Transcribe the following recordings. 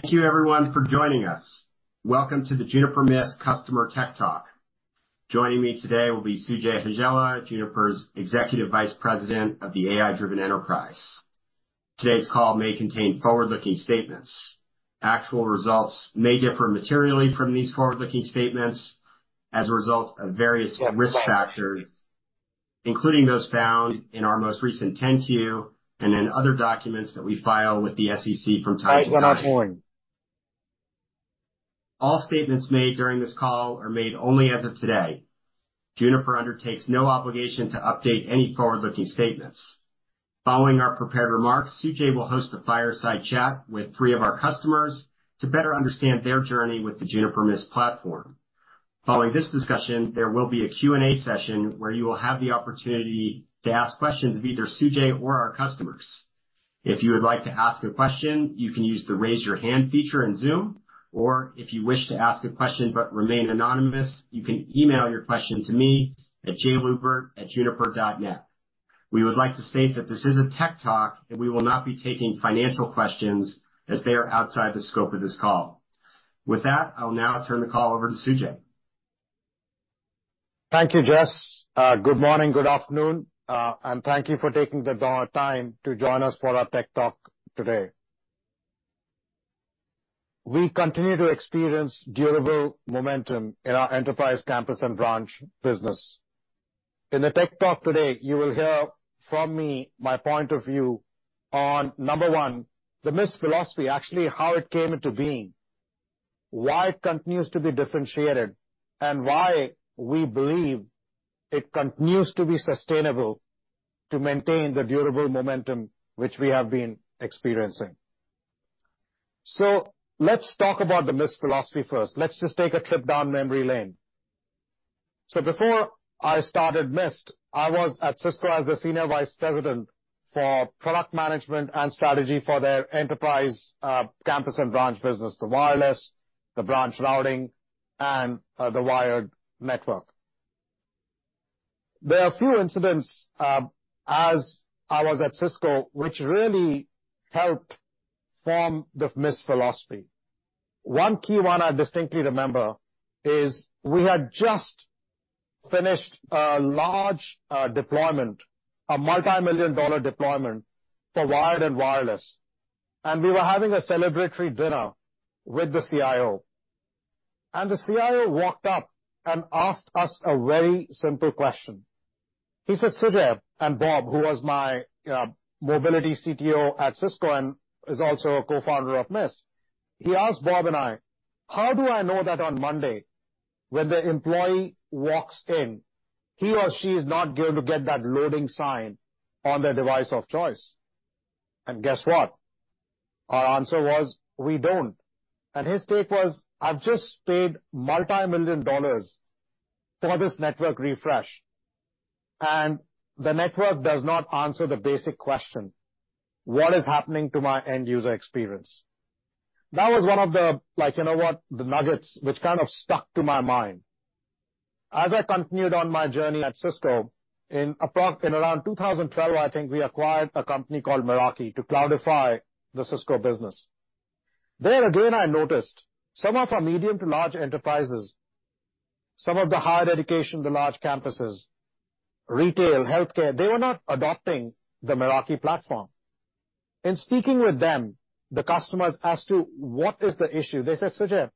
Thank you everyone for joining us. Welcome to the Juniper Mist Customer Tech Talk. Joining me today will be Sujai Hajela, Juniper's Executive Vice President of the AI-Driven Enterprise. Today's call may contain forward-looking statements. Actual results may differ materially from these forward-looking statements as a result of various risk factors, including those found in our most recent 10-Q and in other documents that we file with the SEC from time to time. All statements made during this call are made only as of today. Juniper undertakes no obligation to update any forward-looking statements. Following our prepared remarks, Sujai will host a fireside chat with three of our customers to better understand their journey with the Juniper Mist platform. Following this discussion, there will be a Q&A session where you will have the opportunity to ask questions of either Sujai or our customers. If you would like to ask a question, you can use the Raise Your Hand feature in Zoom, or if you wish to ask a question but remain anonymous, you can email your question to me at jlupert@juniper.net. We would like to state that this is a tech talk, and we will not be taking financial questions as they are outside the scope of this call. With that, I'll now turn the call over to Sujai. Thank you, Jess. Good morning, good afternoon, and thank you for taking the time to join us for our tech talk today. We continue to experience durable momentum in our enterprise, campus, and branch business. In the tech talk today, you will hear from me my point of view on, number one, the Mist philosophy, actually, how it came into being, why it continues to be differentiated, and why we believe it continues to be sustainable to maintain the durable momentum which we have been experiencing. So let's talk about the Mist philosophy first. Let's just take a trip down memory lane. So before I started Mist, I was at Cisco as the Senior Vice President for product management and strategy for their enterprise, campus and branch business, the wireless, the branch routing, and the wired network. There are a few incidents, as I was at Cisco, which really helped form the Mist philosophy. One key one I distinctly remember is, we had just finished a large deployment, a multi-million-dollar deployment for wired and wireless, and we were having a celebratory dinner with the CIO. And the CIO walked up and asked us a very simple question. He says: "Sujai," and Bob, who was my mobility CTO at Cisco and is also a co-founder of Mist. He asked Bob and I, "How do I know that on Monday, when the employee walks in, he or she is not going to get that loading sign on their device of choice?" And guess what? Our answer was, "We don't." And his take was: "I've just paid multimillion dollars for this network refresh, and the network does not answer the basic question, what is happening to my end user experience?" That was one of the, like, you know what? The nuggets, which kind of stuck to my mind. As I continued on my journey at Cisco, in around 2012, I think, we acquired a company called Meraki to cloudify the Cisco business. There again, I noticed some of our medium to large enterprises, some of the higher education, the large campuses, retail, healthcare, they were not adopting the Meraki platform. In speaking with them, the customers, as to what is the issue, they said, "Sujai,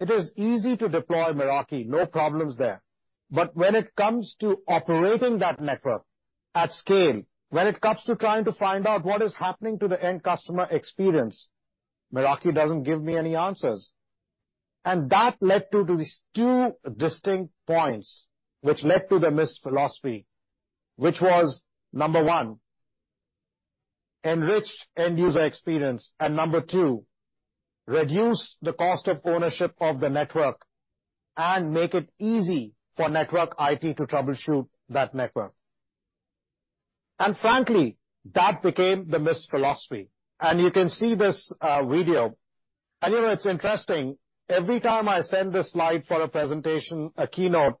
it is easy to deploy Meraki, no problems there. But when it comes to operating that network at scale, when it comes to trying to find out what is happening to the end customer experience, Meraki doesn't give me any answers." And that led to these two distinct points, which led to the Mist philosophy, which was, number one, enriched end-user experience, and number two, reduce the cost of ownership of the network and make it easy for network IT to troubleshoot that network. And frankly, that became the Mist philosophy, and you can see this, video. And, you know, it's interesting. Every time I send this slide for a presentation, a keynote,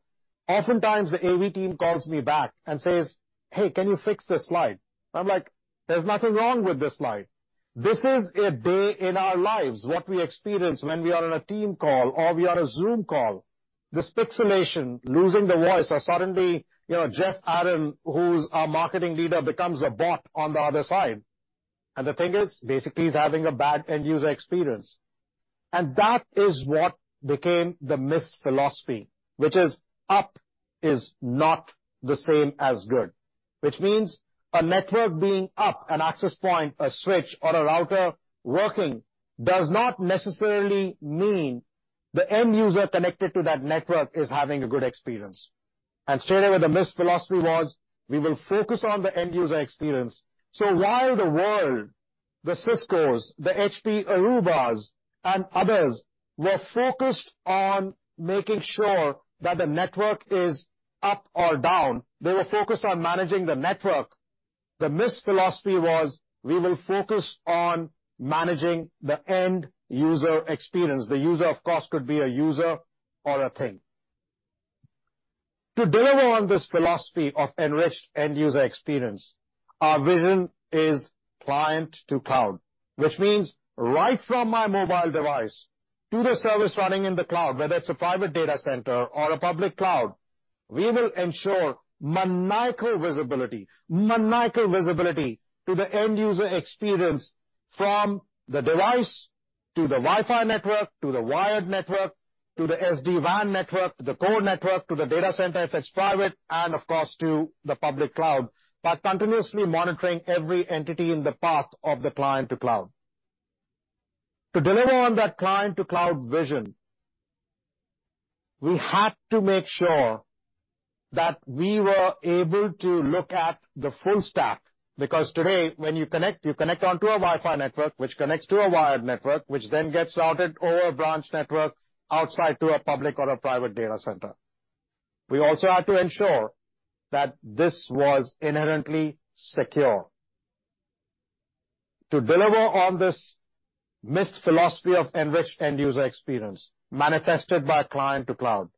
oftentimes the AV team calls me back and says, "Hey, can you fix this slide?" I'm like: There's nothing wrong with this slide. This is a day in our lives, what we experience when we are on a team call or we are on a Zoom call. This pixelation, losing the voice, or suddenly, you know, Jeff Aaron, who's our marketing leader, becomes a bot on the other side. The thing is, basically, he's having a bad end user experience. That is what became the Mist philosophy, which is up is not the same as good, which means a network being up, an access point, a switch, or a router working, does not necessarily mean the end user connected to that network is having a good experience. Straight away, the Mist philosophy was, we will focus on the end user experience. While the world, the Ciscos, the HPE Aruba, and others were focused on making sure that the network is up or down, they were focused on managing the network. The Mist philosophy was, we will focus on managing the end user experience. The user, of course, could be a user or a thing. To deliver on this philosophy of enriched end user experience, our vision is client to cloud, which means right from my mobile device to the service running in the cloud, whether it's a private data center or a public cloud, we will ensure maniacal visibility, maniacal visibility to the end user experience from the device, to the Wi-Fi network, to the wired network, to the SD-WAN network, to the core network, to the data center, if it's private, and of course, to the public cloud, by continuously monitoring every entity in the path of the client to cloud. To deliver on that client to cloud vision, we had to make sure that we were able to look at the full stack, because today, when you connect, you connect onto a Wi-Fi network, which connects to a wired network, which then gets routed over a branch network outside to a public or a private data center. We also had to ensure that this was inherently secure. To deliver on this Mist philosophy of enriched end user experience, manifested by client to cloud,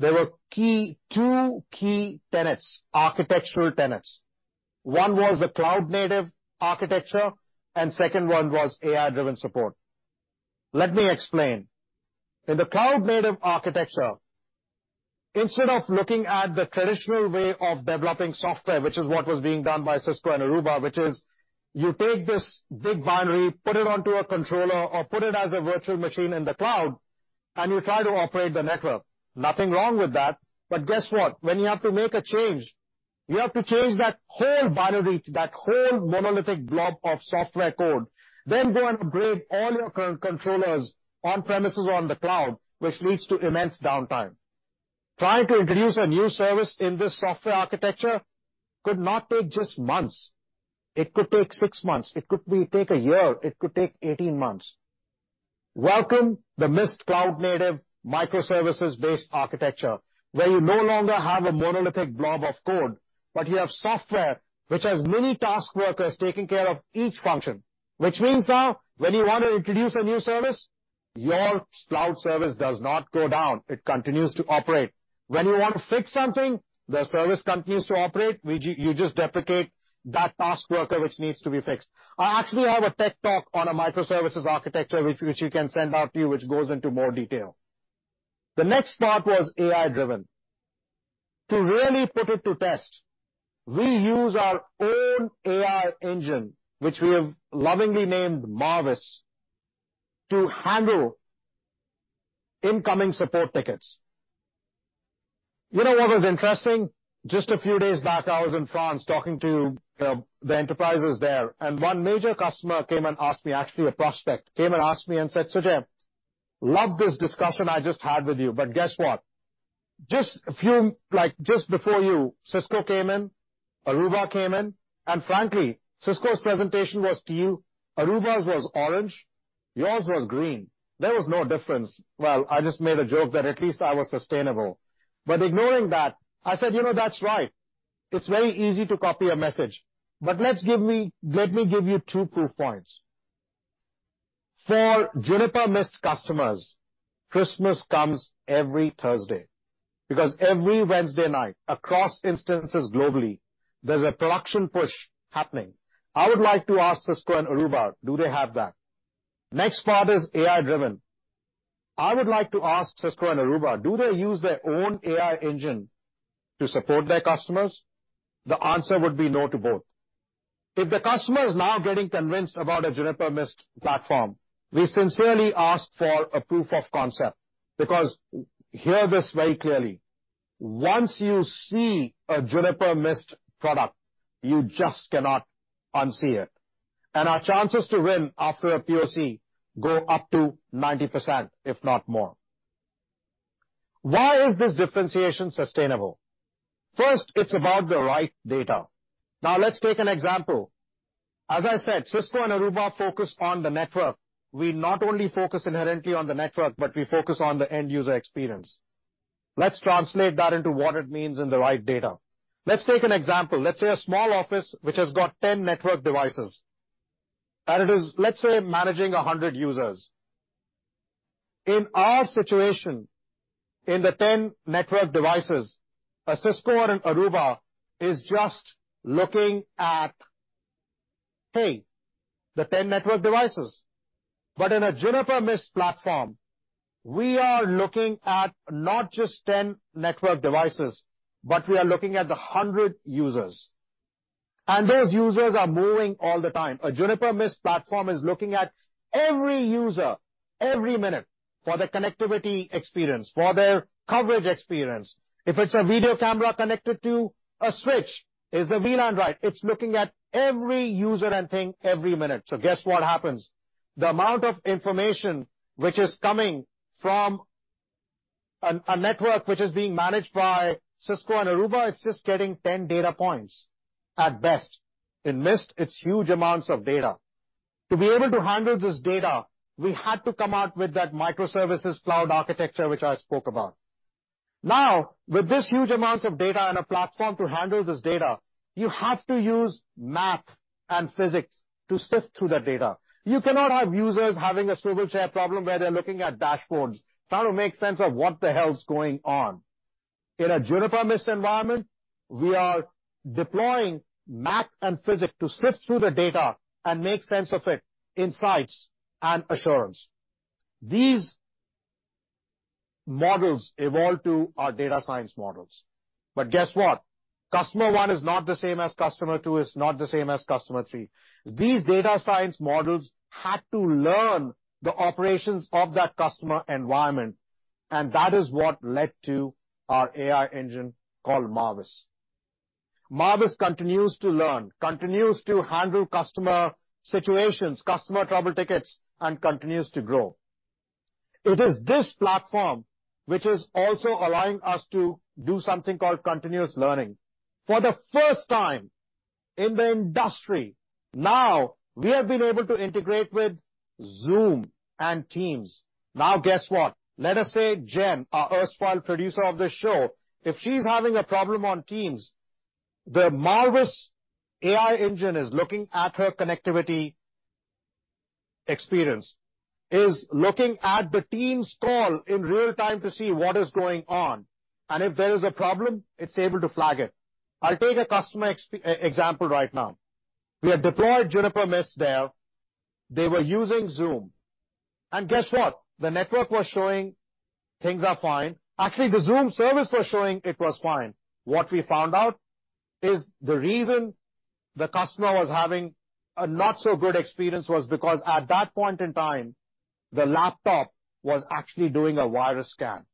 there were key, two key tenets, architectural tenets. One was the cloud-native architecture, and second one was AI-driven support. Let me explain. In the cloud-native architecture, instead of looking at the traditional way of developing software, which is what was being done by Cisco and Aruba, which is you take this big binary, put it onto a controller or put it as a virtual machine in the cloud, and you try to operate the network. Nothing wrong with that, but guess what? When you have to make a change, you have to change that whole binary, that whole monolithic blob of software code, then go and upgrade all your current controllers on premises or on the cloud, which leads to immense downtime. Trying to introduce a new service in this software architecture could not take just months, it could take 6 months, it could take a year, it could take 18 months. Welcome the Mist cloud-native microservices-based architecture, where you no longer have a monolithic blob of code, but you have software which has many task workers taking care of each function, which means now when you want to introduce a new service, your cloud service does not go down. It continues to operate. When you want to fix something, the service continues to operate. You just deprecate that task worker which needs to be fixed. I actually have a tech talk on a microservices architecture, which you can send out to you, which goes into more detail. The next part was AI driven. To really put it to test, we use our own AI engine, which we have lovingly named Marvis, to handle incoming support tickets. You know what was interesting? Just a few days back, I was in France talking to the enterprises there, and one major customer came and asked me, actually, a prospect, came and asked me and said, "Sujai, love this discussion I just had with you, but guess what? Just a few... Like, just before you, Cisco came in, Aruba came in, and frankly, Cisco's presentation was to you, Aruba's was orange, yours was green. There was no difference." Well, I just made a joke that at least I was sustainable. But ignoring that, I said, "You know, that's right. It's very easy to copy a message, but let's give me, let me give you two proof points. For Juniper Mist customers, Christmas comes every Thursday, because every Wednesday night, across instances globally, there's a production push happening. I would like to ask Cisco and Aruba, do they have that? Next part is AI driven. I would like to ask Cisco and Aruba, do they use their own AI engine to support their customers?" The answer would be no to both. If the customer is now getting convinced about a Juniper Mist platform, we sincerely ask for a proof of concept, because hear this very clearly, once you see a Juniper Mist product, you just cannot unsee it, and our chances to win after a POC go up to 90%, if not more. Why is this differentiation sustainable? First, it's about the right data. Now, let's take an example. As I said, Cisco and Aruba focus on the network. We not only focus inherently on the network, but we focus on the end user experience. Let's translate that into what it means in the right data. Let's take an example. Let's say a small office, which has got 10 network devices, and it is, let's say, managing 100 users. In our situation, in the 10 network devices, a Cisco or an Aruba is just looking at, hey, the 10 network devices. But in a Juniper Mist platform, we are looking at not just 10 network devices, but we are looking at the 100 users, and those users are moving all the time. A Juniper Mist platform is looking at every user, every minute for their connectivity experience, for their coverage experience. If it's a video camera connected to a switch, is the VLAN right? It's looking at every user and thing every minute. So guess what happens? The amount of information which is coming from a, a network which is being managed by Cisco and Aruba, it's just getting 10 data points at best. In Mist, it's huge amounts of data. To be able to handle this data, we had to come out with that microservices cloud architecture, which I spoke about. Now, with this huge amounts of data and a platform to handle this data, you have to use math and physics to sift through that data. You cannot have users having a swivel chair problem where they're looking at dashboards, trying to make sense of what the hell's going on. In a Juniper Mist environment, we are deploying math and physics to sift through the data and make sense of it, insights and assurance. These models evolve to our data science models. But guess what? Customer one is not the same as customer two, is not the same as customer three. These data science models had to learn the operations of that customer environment, and that is what led to our AI engine called Marvis. Marvis continues to learn, continues to handle customer situations, customer trouble tickets, and continues to grow. It is this platform which is also allowing us to do something called continuous learning. For the first time in the industry, now we have been able to integrate with Zoom and Teams. Now, guess what? Let us say, Jen, our erstwhile producer of this show, if she's having a problem on Teams, the Marvis AI engine is looking at her connectivity experience, is looking at the Teams call in real time to see what is going on, and if there is a problem, it's able to flag it. I'll take a customer example right now. We have deployed Juniper Mist there. They were using Zoom, and guess what? The network was showing things are fine. Actually, the Zoom service was showing it was fine. What we found out is the reason the customer was having a not-so-good experience was because at that point in time, the laptop was actually doing a virus scan,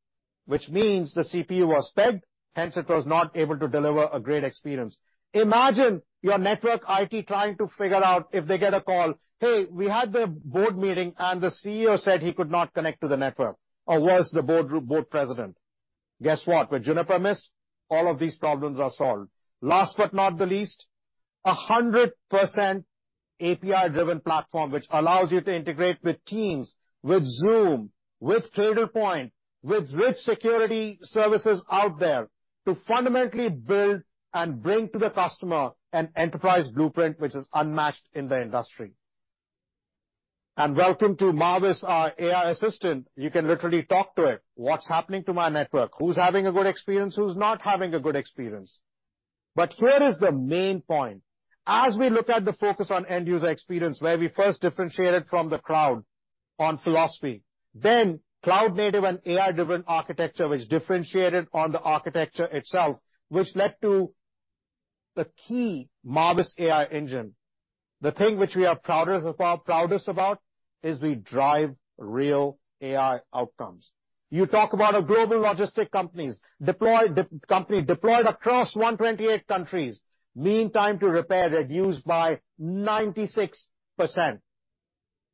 which means the CPU was pegged, hence, it was not able to deliver a great experience. Imagine your network IT trying to figure out if they get a call, "Hey, we had the board meeting, and the CEO said he could not connect to the network," or worse, the board, board president. Guess what? With Juniper Mist, all of these problems are solved. Last but not the least, 100% API-driven platform, which allows you to integrate with Teams, with Zoom, with Cradlepoint, with which security services out there to fundamentally build and bring to the customer an enterprise blueprint, which is unmatched in the industry. Welcome to Marvis, our AI assistant. You can literally talk to it. What's happening to my network? Who's having a good experience? Who's not having a good experience? But here is the main point. As we look at the focus on end-user experience, where we first differentiated from the cloud on philosophy, then cloud native and AI-driven architecture, which differentiated on the architecture itself, which led to the key Marvis AI engine. The thing which we are proudest about, proudest about, is we drive real AI outcomes. You talk about a global logistics company deployed across 128 countries, mean time to repair reduced by 96%.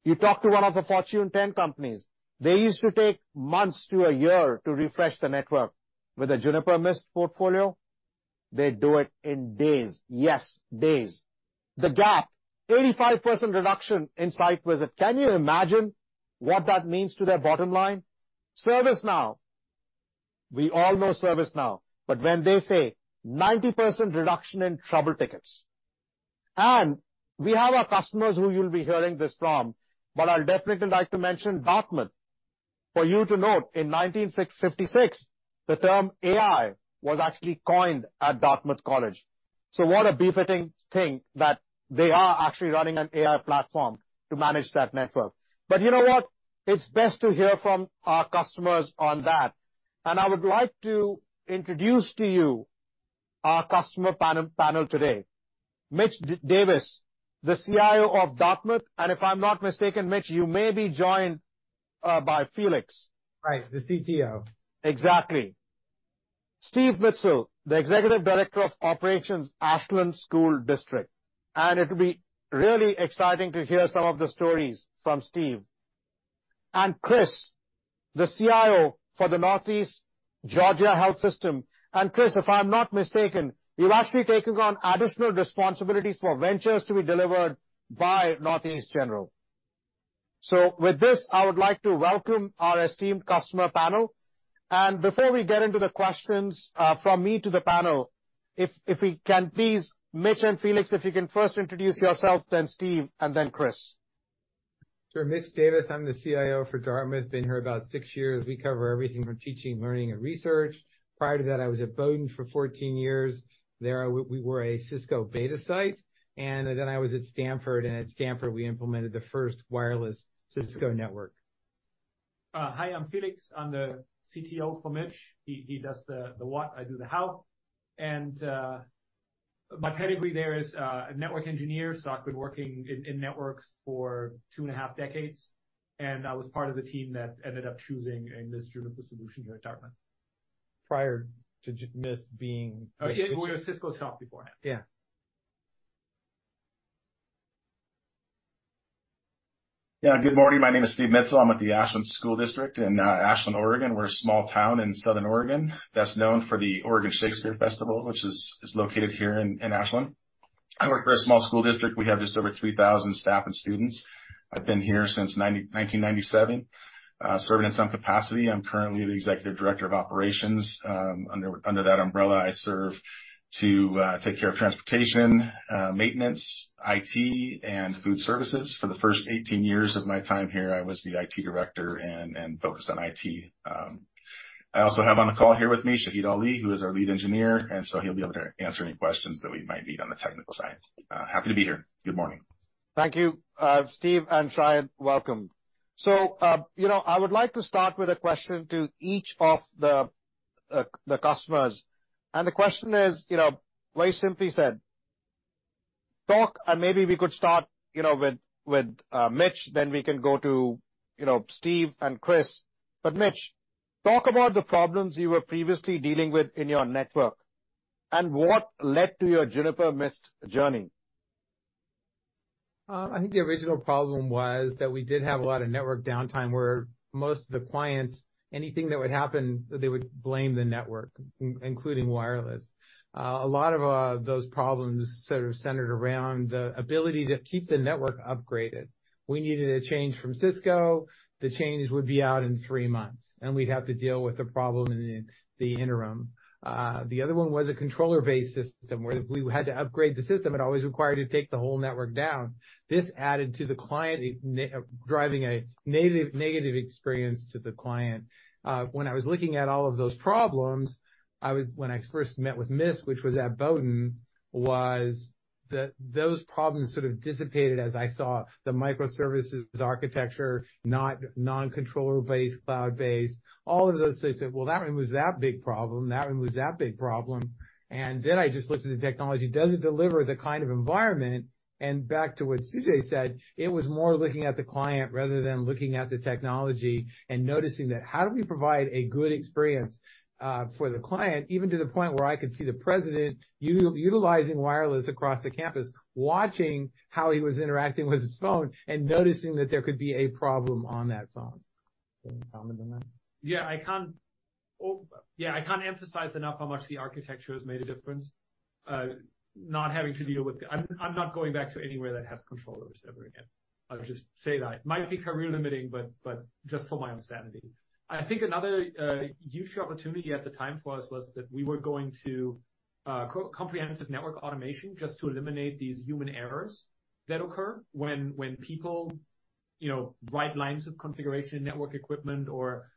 You talk to one of the Fortune 10 companies, they used to take months to a year to refresh the network. With the Juniper Mist portfolio, they do it in days. Yes, days. The gap, 85% reduction in site visit. Can you imagine what that means to their bottom line? ServiceNow, we all know ServiceNow, but when they say 90% reduction in trouble tickets, and we have our customers who you'll be hearing this from, but I'd definitely like to mention Dartmouth. For you to note, in 1956, the term AI was actually coined at Dartmouth College. So what a befitting thing that they are actually running an AI platform to manage that network. But you know what? It's best to hear from our customers on that, and I would like to introduce to you our customer panel, panel today. Mitch Davis, the CIO of Dartmouth, and if I'm not mistaken, Mitch, you may be joined by Felix. Right, the CTO. Exactly. Steve Mitzel, the Executive Director of Operations, Ashland School District, and it'll be really exciting to hear some of the stories from Steve. Chris, the CIO for the Northeast Georgia Health System. Chris, if I'm not mistaken, you've actually taken on additional responsibilities for ventures to be delivered by Northeast Georgia. With this, I would like to welcome our esteemed customer panel. Before we get into the questions from me to the panel, if we can please, Mitch and Felix, if you can first introduce yourself, then Steve, and then Chris. Sure. Mitch Davis, I'm the CIO for Dartmouth. Been here about 6 years. We cover everything from teaching, learning, and research. Prior to that, I was at Bowdoin for 14 years. There, we were a Cisco beta site, and then I was at Stanford, and at Stanford, we implemented the first wireless Cisco network. Hi, I'm Felix. I'm the CTO for Mitch. He does the what, I do the how. My pedigree there is a network engineer, so I've been working in networks for 2.5 decades, and I was part of the team that ended up choosing a Juniper Mist solution here at Dartmouth. Prior to Mist being- It was Cisco's help beforehand. Yeah. Yeah. Good morning. My name is Steve Mitzel. I'm at the Ashland School District in Ashland, Oregon. We're a small town in southern Oregon, that's known for the Oregon Shakespeare Festival, which is located here in Ashland. I work for a small school district. We have just over 3,000 staff and students. I've been here since 1997, serving in some capacity. I'm currently the Executive Director of Operations. Under that umbrella, I serve to take care of transportation, maintenance, IT, and food services. For the first 18 years of my time here, I was the IT director and focused on IT. I also have on the call here with me, Shahid Ali, who is our lead engineer, and so he'll be able to answer any questions that we might need on the technical side. Happy to be here. Good morning. Thank you, Steve and Shahid. Welcome. So, you know, I would like to start with a question to each of the customers. And the question is, you know, very simply said: Talk, and maybe we could start, you know, with Mitch, then we can go to, you know, Steve and Chris. But Mitch, talk about the problems you were previously dealing with in your network and what led to your Juniper Mist journey. I think the original problem was that we did have a lot of network downtime, where most of the clients, anything that would happen, they would blame the network, including wireless. A lot of those problems sort of centered around the ability to keep the network upgraded. We needed a change from Cisco. The change would be out in three months, and we'd have to deal with the problem in the interim. The other one was a controller-based system, where if we had to upgrade the system, it always required to take the whole network down. This added to the client driving a negative experience to the client. When I was looking at all of those problems, I was... When I first met with Mist, which was at Bowdoin, those problems sort of dissipated as I saw the microservices architecture, not non-controller-based, cloud-based, all of those things. Well, that one was that big problem, that one was that big problem, and then I just looked at the technology. Does it deliver the kind of environment? And back to what Sujai said, it was more looking at the client rather than looking at the technology and noticing that how do we provide a good experience for the client, even to the point where I could see the president utilizing wireless across the campus, watching how he was interacting with his phone and noticing that there could be a problem on that phone. Any comment on that? Yeah, I can't emphasize enough how much the architecture has made a difference. Not having to deal with... I'm not going back to anywhere that has controllers ever again. I'll just say that. It might be career limiting, but just for my own sanity. I think another huge opportunity at the time for us was that we were going to comprehensive network automation just to eliminate these human errors that occur when people, you know, write lines of configuration network equipment, or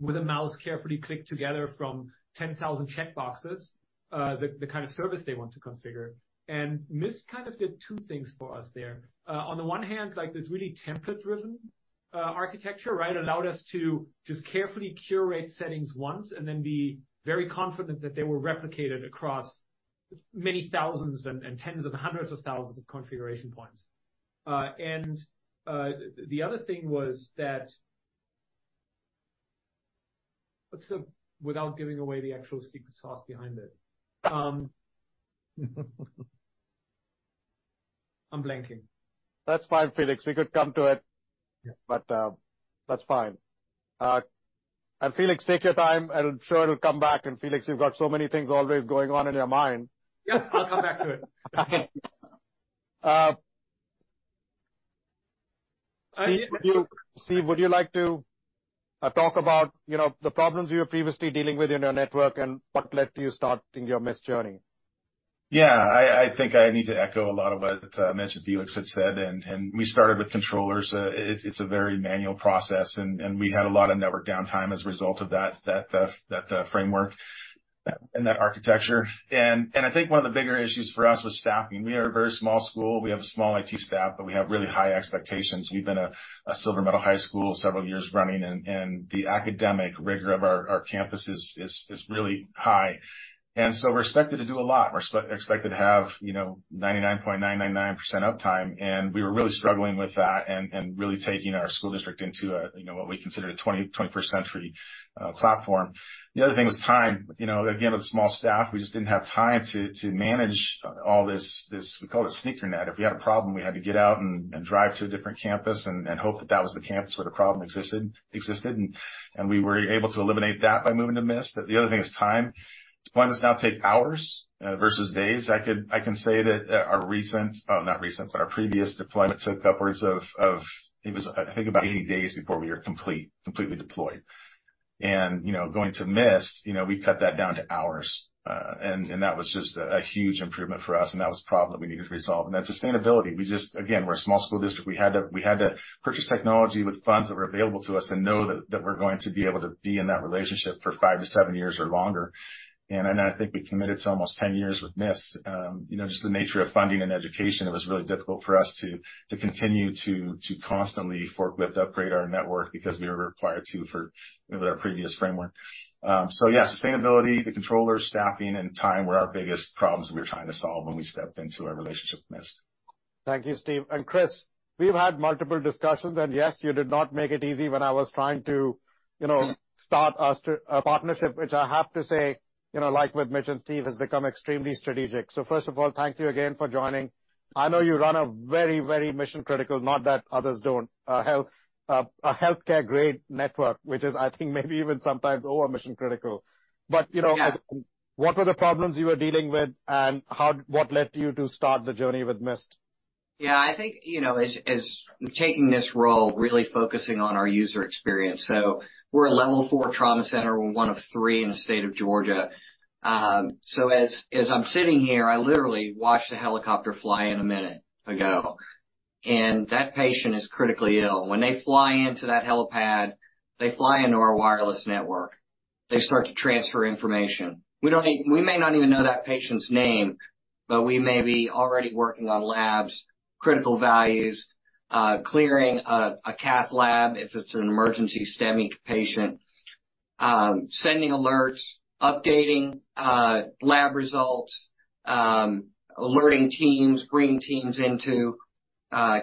with a mouse, carefully click together from 10,000 checkboxes, the kind of service they want to configure. And Mist kind of did two things for us there. On the one hand, like, this really template-driven architecture, right? Allowed us to just carefully curate settings once and then be very confident that they were replicated across many thousands and tens of hundreds of thousands of configuration points. The other thing was that... What's the- Without giving away the actual secret sauce behind it? I'm blanking. That's fine, Felix. We could come to it, but that's fine. Felix, take your time, and I'm sure it'll come back. Felix, you've got so many things always going on in your mind. Yeah, I'll come back to it. Steve, would you like to talk about, you know, the problems you were previously dealing with in your network and what led to you starting your Mist journey? Yeah, I think I need to echo a lot of what Mitch and Felix had said, and we started with controllers. It's a very manual process, and we had a lot of network downtime as a result of that framework and that architecture. And I think one of the bigger issues for us was staffing. We are a very small school. We have a small IT staff, but we have really high expectations. We've been a silver medal high school several years running, and the academic rigor of our campus is really high. And so we're expected to do a lot. We're expected to have, you know, 99.999% uptime, and we were really struggling with that and really taking our school district into a, you know, what we consider a 21st century platform. The other thing was time. You know, again, with a small staff, we just didn't have time to manage all this, this we call it a sneaker net. If we had a problem, we had to get out and drive to a different campus and hope that that was the campus where the problem existed. We were able to eliminate that by moving to Mist. The other thing is time. Deployments now take hours versus days. I can say that our recent, not recent, but our previous deployment took upwards of, it was, I think, about 80 days before we were completely deployed. And, you know, going to Mist, you know, we cut that down to hours, and that was just a huge improvement for us, and that was a problem that we needed to resolve. And then sustainability. We just... Again, we're a small school district. We had to purchase technology with funds that were available to us and know that we're going to be able to be in that relationship for 5-7 years or longer. And I know, I think we committed to almost 10 years with Mist. You know, just the nature of funding and education, it was really difficult for us to continue to constantly forklift upgrade our network because we were required to for our previous framework. So yeah, sustainability, the controller, staffing, and time were our biggest problems we were trying to solve when we stepped into our relationship with Mist. Thank you, Steve. And, Chris, we've had multiple discussions, and yes, you did not make it easy when I was trying to, you know, start a partnership, which I have to say, you know, like with Mitch and Steve, has become extremely strategic. So first of all, thank you again for joining. I know you run a very, very mission-critical, not that others don't, healthcare-grade network, which is, I think, maybe even sometimes over mission-critical. Yeah. You know, what were the problems you were dealing with, and what led you to start the journey with Mist? Yeah, I think, you know, as taking this role, really focusing on our user experience. So we're a level four trauma center. We're one of three in the state of Georgia. So as I'm sitting here, I literally watched a helicopter fly in a minute ago... and that patient is critically ill. When they fly into that helipad, they fly into our wireless network. They start to transfer information. We don't even-- we may not even know that patient's name, but we may be already working on labs, critical values, clearing a cath lab, if it's an emergency STEMI patient, sending alerts, updating lab results, alerting teams, bringing teams into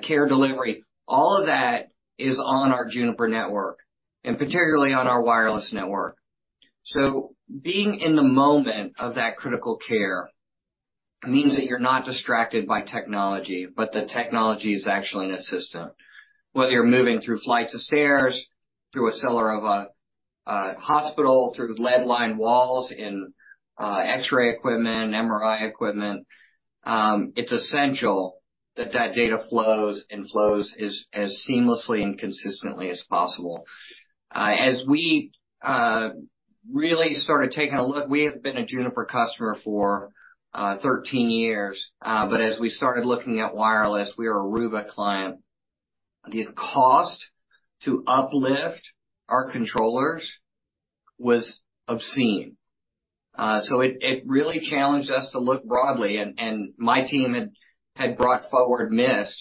care delivery. All of that is on our Juniper network, and particularly on our wireless network. So being in the moment of that critical care means that you're not distracted by technology, but the technology is actually an assistant. Whether you're moving through flights of stairs, through a cellar of a hospital, through lead-lined walls in X-ray equipment, MRI equipment, it's essential that that data flows, and flows as seamlessly and consistently as possible. As we really started taking a look, we have been a Juniper customer for 13 years, but as we started looking at wireless, we were a Aruba client. The cost to uplift our controllers was obscene. So it really challenged us to look broadly, and my team had brought forward Mist,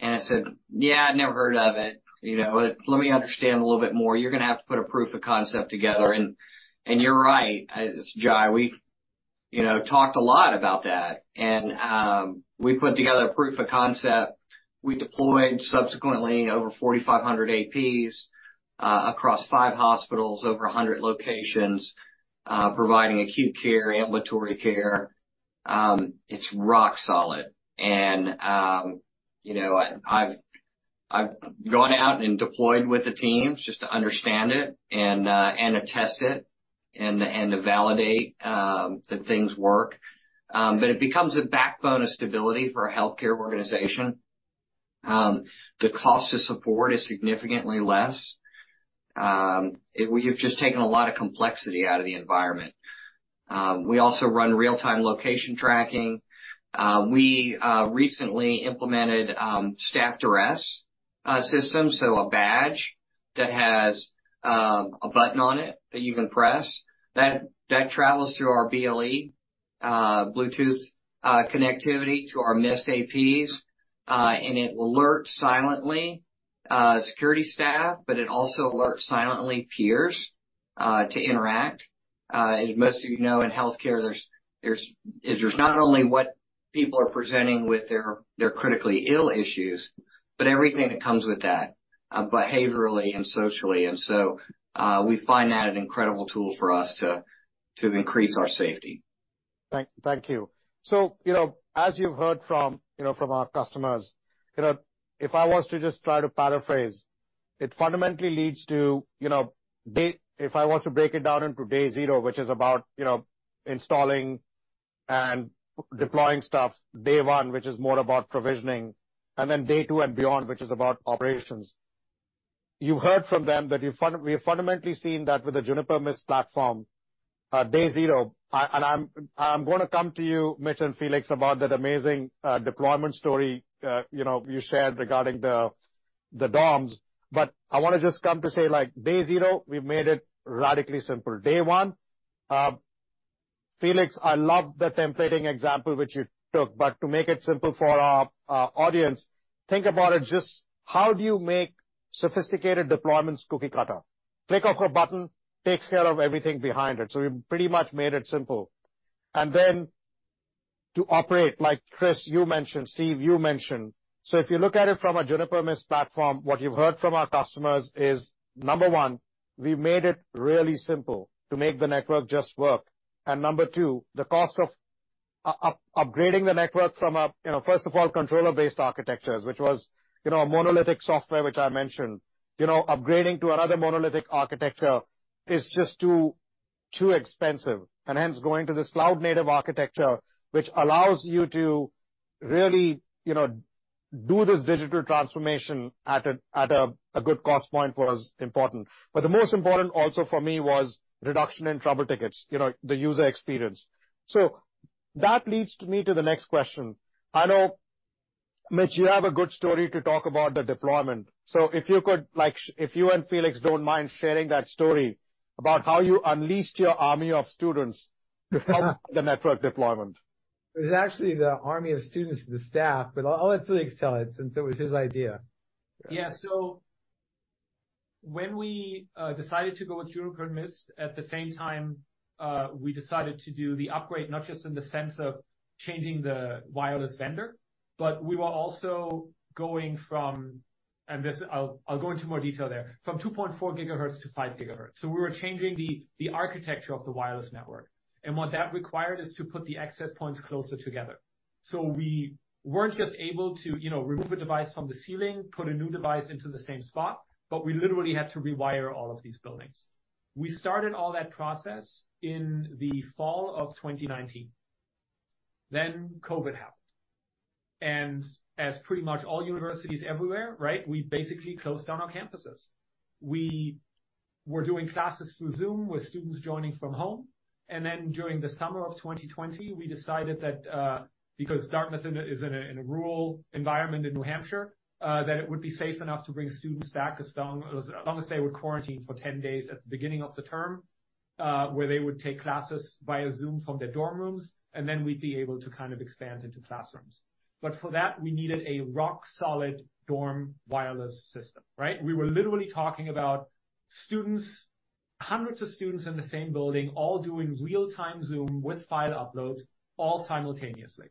and I said, "Yeah, I've never heard of it. You know, let me understand a little bit more. You're gonna have to put a proof of concept together." And, and you're right, Jai, we've, you know, talked a lot about that, and, we put together a proof of concept. We deployed subsequently over 4,500 APs, across 5 hospitals, over 100 locations, providing acute care, ambulatory care. It's rock solid. And, you know, I've gone out and deployed with the teams just to understand it and, and to test it, and, and to validate, that things work. But it becomes a backbone of stability for a healthcare organization. The cost to support is significantly less. It... We have just taken a lot of complexity out of the environment. We also run real-time location tracking. We recently implemented staff duress system. So a badge that has a button on it that you can press, that travels through our BLE, Bluetooth, connectivity to our Mist APs, and it will alert silently security staff, but it also alerts silently peers to interact. As most of you know, in healthcare, there's not only what people are presenting with their critically ill issues, but everything that comes with that, behaviorally and socially. And so, we find that an incredible tool for us to increase our safety. Thank you. So, you know, as you've heard from, you know, from our customers, you know, if I was to just try to paraphrase, it fundamentally leads to, you know, day... If I were to break it down into day zero, which is about, you know, installing and deploying stuff, day one, which is more about provisioning, and then day two and beyond, which is about operations. You heard from them that we have fundamentally seen that with the Juniper Mist platform, day zero, I... And I'm gonna come to you, Mitch and Felix, about that amazing deployment story, you know, you shared regarding the dorms. But I wanna just come to say, like, day zero, we've made it radically simple. Day one, Felix, I love the templating example which you took, but to make it simple for our audience, think about it, just how do you make sophisticated deployments cookie cutter? Click of a button takes care of everything behind it, so we pretty much made it simple. And then to operate, like, Chris, you mentioned, Steve, you mentioned. So if you look at it from a Juniper Mist platform, what you've heard from our customers is, number one, we made it really simple to make the network just work. And number two, the cost of upgrading the network from a, you know, first of all, controller-based architectures, which was, you know, a monolithic software, which I mentioned. You know, upgrading to another monolithic architecture is just too expensive. Hence, going to this cloud-native architecture, which allows you to really, you know, do this digital transformation at a good cost point, was important. But the most important also for me was reduction in trouble tickets, you know, the user experience. That leads me to the next question. I know, Mitch, you have a good story to talk about the deployment. So if you could, like, share if you and Felix don't mind sharing that story about how you unleashed your army of students to help the network deployment. It was actually the army of students and the staff, but I'll let Felix tell it, since it was his idea. Yeah. So when we decided to go with Juniper Mist, at the same time, we decided to do the upgrade, not just in the sense of changing the wireless vendor, but we were also going from... And this, I'll go into more detail there. From 2.4 gigahertz to 5 gigahertz. So we were changing the architecture of the wireless network, and what that required is to put the access points closer together. So we weren't just able to, you know, remove a device from the ceiling, put a new device into the same spot, but we literally had to rewire all of these buildings. We started all that process in the fall of 2019. Then COVID happened, and as pretty much all universities everywhere, right, we basically closed down our campuses. We... We're doing classes through Zoom with students joining from home, and then during the summer of 2020, we decided that, because Dartmouth is in a rural environment in New Hampshire, that it would be safe enough to bring students back as long as they would quarantine for 10 days at the beginning of the term, where they would take classes via Zoom from their dorm rooms, and then we'd be able to kind of expand into classrooms. But for that, we needed a rock-solid dorm wireless system, right? We were literally talking about students, hundreds of students in the same building, all doing real-time Zoom with file uploads, all simultaneously.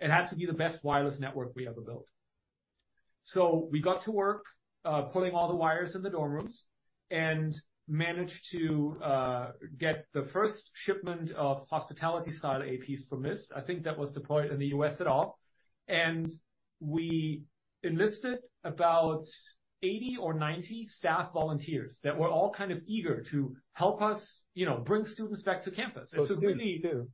It had to be the best wireless network we ever built. So we got to work, pulling all the wires in the dorm rooms and managed to get the first shipment of hospitality-style APs from Mist. I think that was deployed in the US at all. And we enlisted about 80 or 90 staff volunteers that were all kind of eager to help us, you know, bring students back to campus. So students, too.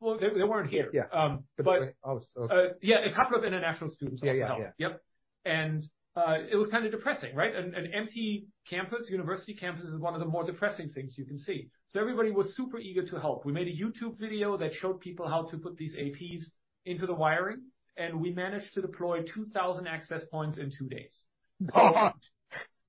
Well, they weren't here. Yeah. Um, but- Oh, so- Yeah, a couple of international students also helped. Yeah, yeah, yeah. Yep. And, it was kind of depressing, right? An empty campus, university campus, is one of the more depressing things you can see. So everybody was super eager to help. We made a YouTube video that showed people how to put these APs into the wiring, and we managed to deploy 2,000 access points in 2 days. Wow!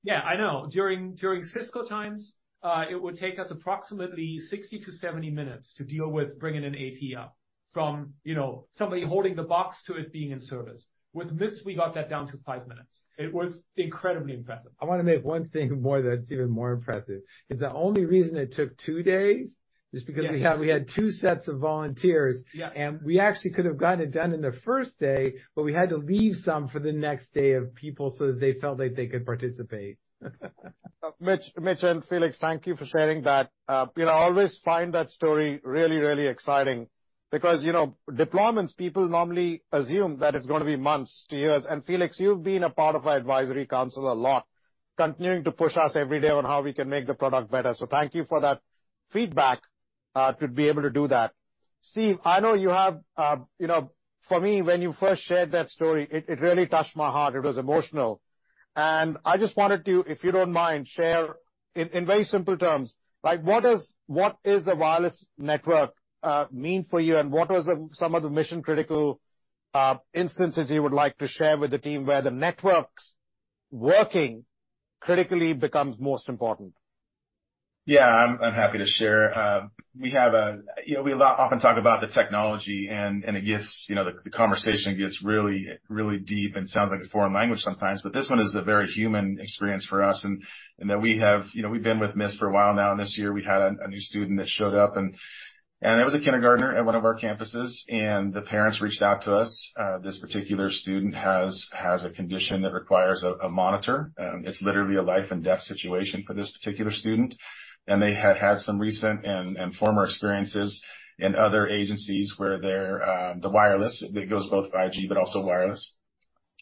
Yeah, I know. During Cisco times, it would take us approximately 60-70 minutes to deal with bringing an AP up from, you know, somebody holding the box to it being in service. With Mist, we got that down to 5 minutes. It was incredibly impressive. I want to make one thing more that's even more impressive. The only reason it took two days is because- Yeah... we had two sets of volunteers. Yeah. We actually could have gotten it done in the first day, but we had to leave some for the next day of people so that they felt like they could participate. Mitch, Mitch and Felix, thank you for sharing that. You know, I always find that story really, really exciting because, you know, deployments, people normally assume that it's going to be months to years. And Felix, you've been a part of our advisory council a lot, continuing to push us every day on how we can make the product better. So thank you for that feedback to be able to do that. Steve, I know you have, you know. For me, when you first shared that story, it really touched my heart. It was emotional. And I just wanted to, if you don't mind, share in very simple terms, like, what is the wireless network mean for you? What was the, some of the mission-critical instances you would like to share with the team where the networks working critically becomes most important? Yeah, I'm happy to share. We have a... You know, we a lot often talk about the technology, and it gets, you know, the conversation gets really, really deep and sounds like a foreign language sometimes, but this one is a very human experience for us, and that we have... You know, we've been with Mist for a while now, and this year we had a new student that showed up, and it was a kindergartner at one of our campuses, and the parents reached out to us. This particular student has a condition that requires a monitor, and it's literally a life and death situation for this particular student. And they had had some recent and former experiences in other agencies where their the wireless, it goes both 5G, but also wireless.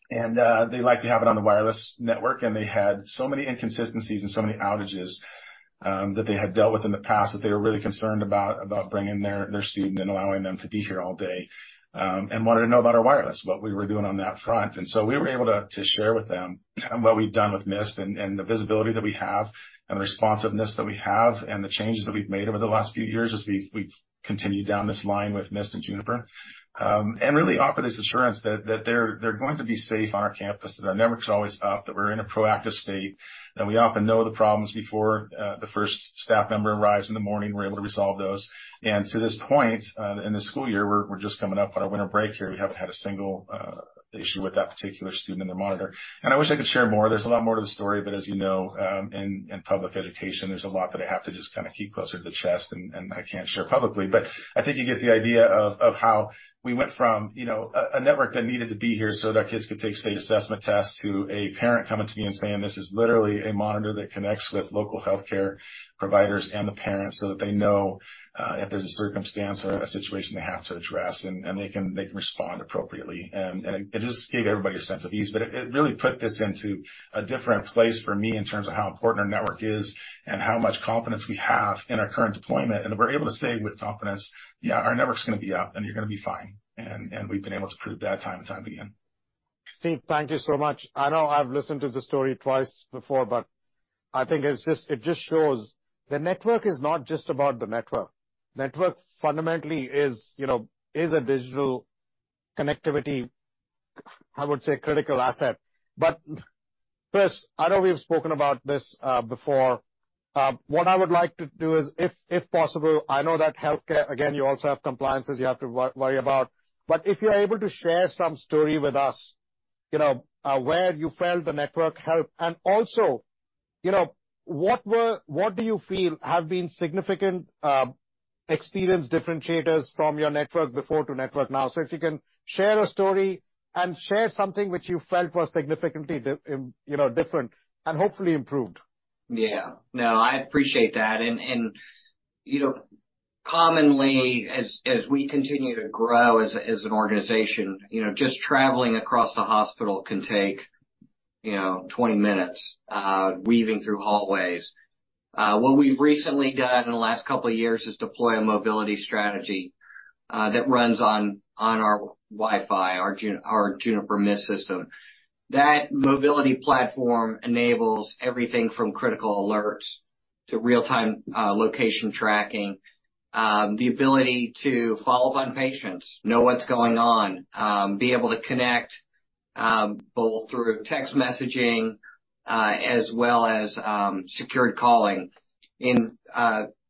They like to have it on the wireless network, and they had so many inconsistencies and so many outages that they had dealt with in the past, that they were really concerned about bringing their student and allowing them to be here all day, and wanted to know about our wireless, what we were doing on that front. And so we were able to share with them what we've done with Mist and the visibility that we have and the responsiveness that we have, and the changes that we've made over the last few years as we've continued down this line with Mist and Juniper. And really offer this assurance that they're going to be safe on our campus, that our network's always up, that we're in a proactive state, and we often know the problems before the first staff member arrives in the morning. We're able to resolve those. And to this point, in the school year, we're just coming up on our winter break here, we haven't had a single issue with that particular student and their monitor. And I wish I could share more. There's a lot more to the story, but as you know, in public education, there's a lot that I have to just kind of keep closer to the chest and I can't share publicly. But I think you get the idea of how we went from, you know, a network that needed to be here so that kids could take state assessment tests, to a parent coming to me and saying, "This is literally a monitor that connects with local healthcare providers and the parents so that they know if there's a circumstance or a situation they have to address, and they can, they can respond appropriately." And it just gave everybody a sense of ease, but it really put this into a different place for me in terms of how important our network is and how much confidence we have in our current deployment, and we're able to say with confidence, "Yeah, our network's going to be up, and you're going to be fine." And we've been able to prove that time and time again. Steve, thank you so much. I know I've listened to this story twice before, but I think it's just—it just shows the network is not just about the network. Network fundamentally is, you know, is a digital connectivity, I would say, critical asset. But, Chris, I know we've spoken about this, before. What I would like to do is, if possible, I know that healthcare, again, you also have compliances you have to worry about, but if you're able to share some story with us, you know, where you felt the network helped, and also, you know, what do you feel have been significant, experience differentiators from your network before to network now? So if you can share a story and share something which you felt was significantly different and hopefully improved. Yeah. No, I appreciate that. And you know, commonly, as we continue to grow as a, as an organization, you know, just traveling across the hospital can take, you know, 20 minutes weaving through hallways. What we've recently done in the last couple of years is deploy a mobility strategy that runs on our Wi-Fi, our Juniper Mist system. That mobility platform enables everything from critical alerts to real-time location tracking, the ability to follow up on patients, know what's going on, be able to connect both through text messaging as well as secured calling.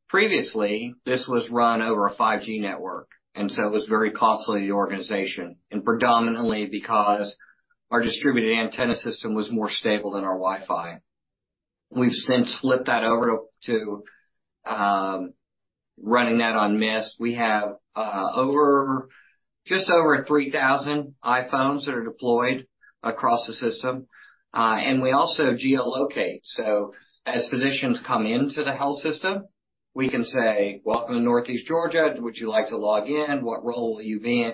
Previously, this was run over a 5G network, and so it was very costly to the organization, and predominantly because our distributed antenna system was more stable than our Wi-Fi. We've since flipped that over to running that on Mist. We have over, just over 3,000 iPhones that are deployed across the system. And we also geo-locate, so as physicians come into the health system, we can say, "Welcome to Northeast Georgia. Would you like to log in? What role will you be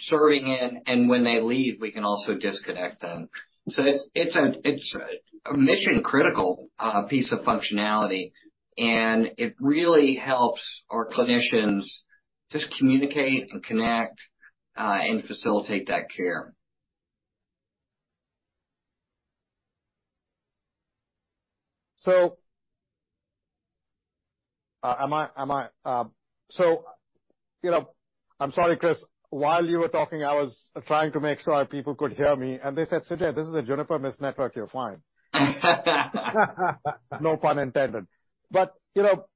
serving in?" And when they leave, we can also disconnect them. So it's a mission-critical piece of functionality, and it really helps our clinicians just communicate and connect, and facilitate that care. So, you know, I'm sorry, Chris. While you were talking, I was trying to make sure our people could hear me, and they said, "Sujai, this is a Juniper Mist network. You're fine." No pun intended. But, you know,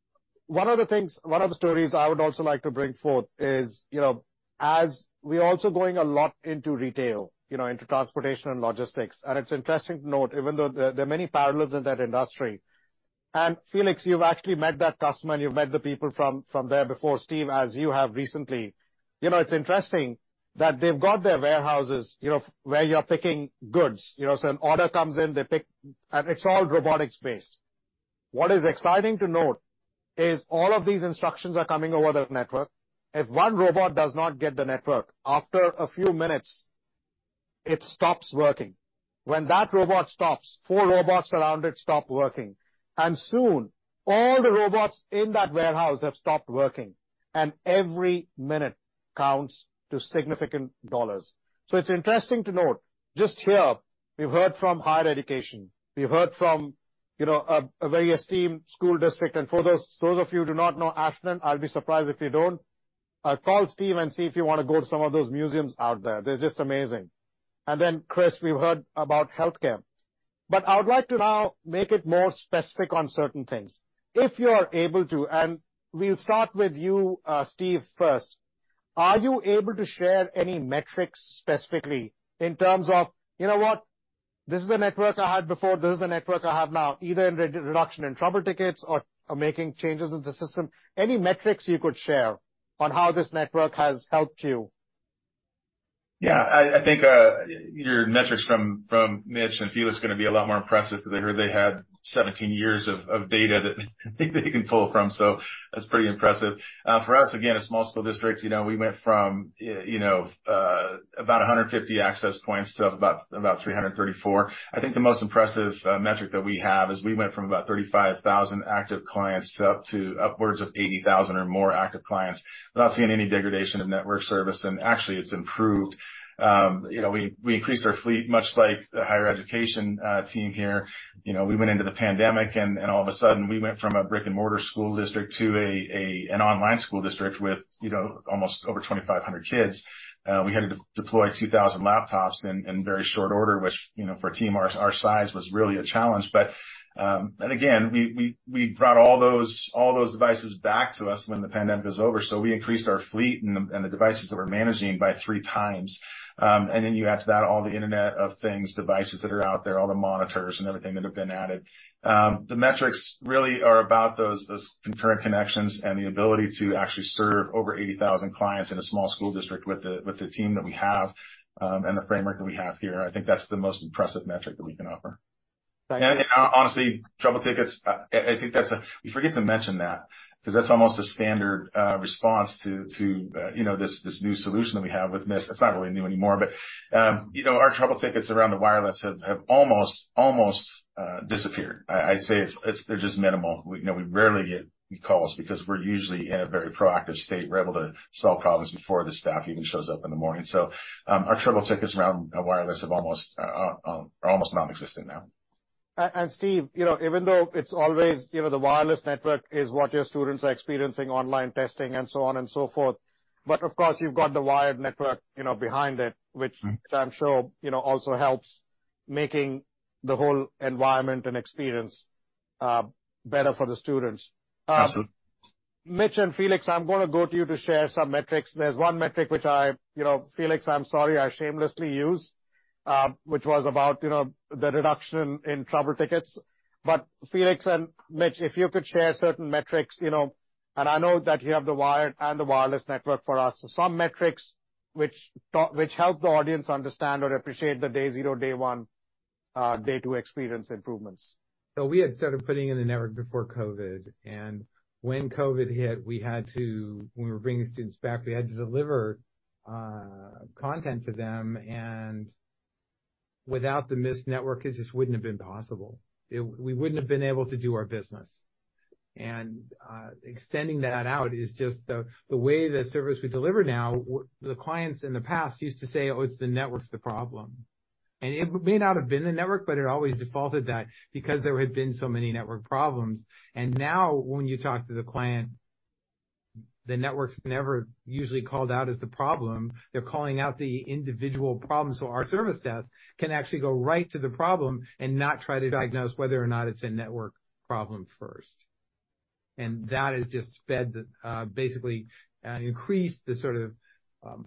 one of the things—one of the stories I would also like to bring forth is, you know, as we're also going a lot into retail, you know, into transportation and logistics, and it's interesting to note, even though there are many parallels in that industry, and Felix, you've actually met that customer, and you've met the people from there before, Steve, as you have recently. You know, it's interesting that they've got their warehouses, you know, where you're picking goods. You know, so an order comes in, they pick, and it's all robotics-based. What is exciting to note is all of these instructions are coming over the network. If one robot does not get the network, after a few minutes, it stops working. When that robot stops, four robots around it stop working, and soon, all the robots in that warehouse have stopped working, and every minute counts to significant dollars. So it's interesting to note, just here, we've heard from higher education, we've heard from, you know, a, a very esteemed school district. And for those of you who do not know Ashland, I'll be surprised if you don't. Call Steve and see if you want to go to some of those museums out there. They're just amazing. And then, Chris, we've heard about healthcare. But I would like to now make it more specific on certain things. If you are able to, and we'll start with you, Steve, first. Are you able to share any metrics specifically in terms of, "You know what? This is the network I had before, this is the network I have now," either in reduction, in trouble tickets or, or making changes in the system. Any metrics you could share on how this network has helped you? Yeah, I think your metrics from Mitch and Felix are going to be a lot more impressive because I heard they had 17 years of data that they can pull from, so that's pretty impressive. For us, again, a small school district, you know, we went from about 150 access points to about 334. I think the most impressive metric that we have is we went from about 35,000 active clients to up to upwards of 80,000 or more active clients, without seeing any degradation of network service, and actually, it's improved. You know, we increased our fleet, much like the higher education team here. You know, we went into the pandemic, and all of a sudden, we went from a brick-and-mortar school district to an online school district with, you know, almost over 2,500 kids. We had to deploy 2,000 laptops in very short order, which, you know, for a team our size, was really a challenge. But again, we brought all those devices back to us when the pandemic was over, so we increased our fleet and the devices that we're managing by three times. And then you add to that all the Internet of Things devices that are out there, all the monitors and everything that have been added. The metrics really are about those, those concurrent connections and the ability to actually serve over 80,000 clients in a small school district with the, with the team that we have, and the framework that we have here. I think that's the most impressive metric that we can offer. Thank you. Honestly, trouble tickets, I think that's a... We forget to mention that, 'cause that's almost a standard response to you know, this new solution that we have with Mist. It's not really new anymore, but you know, our trouble tickets around the wireless have almost disappeared. I'd say it's. They're just minimal. You know, we rarely get calls because we're usually in a very proactive state. We're able to solve problems before the staff even shows up in the morning. So, our trouble tickets around wireless are almost non-existent now. Steve, you know, even though it's always, you know, the wireless network is what your students are experiencing, online testing and so on and so forth, but of course, you've got the wired network, you know, behind it. Mm-hmm. which I'm sure, you know, also helps making the whole environment and experience better for the students. Absolutely. Mitch and Felix, I'm going to go to you to share some metrics. There's one metric which I, you know, Felix, I'm sorry, I shamelessly used, which was about, you know, the reduction in trouble tickets. But Felix and Mitch, if you could share certain metrics, you know, and I know that you have the wired and the wireless network for us. So some metrics which help the audience understand or appreciate the day zero, day one, day two experience improvements. So we had started putting in the network before COVID, and when COVID hit, we had to... When we were bringing students back, we had to deliver content to them, and without the Mist network, it just wouldn't have been possible. We wouldn't have been able to do our business.... and extending that out is just the way the service we deliver now. The clients in the past used to say: "Oh, it's the network's the problem." And it may not have been the network, but it always defaulted that because there had been so many network problems. And now when you talk to the client, the network's never usually called out as the problem. They're calling out the individual problem, so our service desk can actually go right to the problem and not try to diagnose whether or not it's a network problem first. And that has just sped, basically, increased the sort of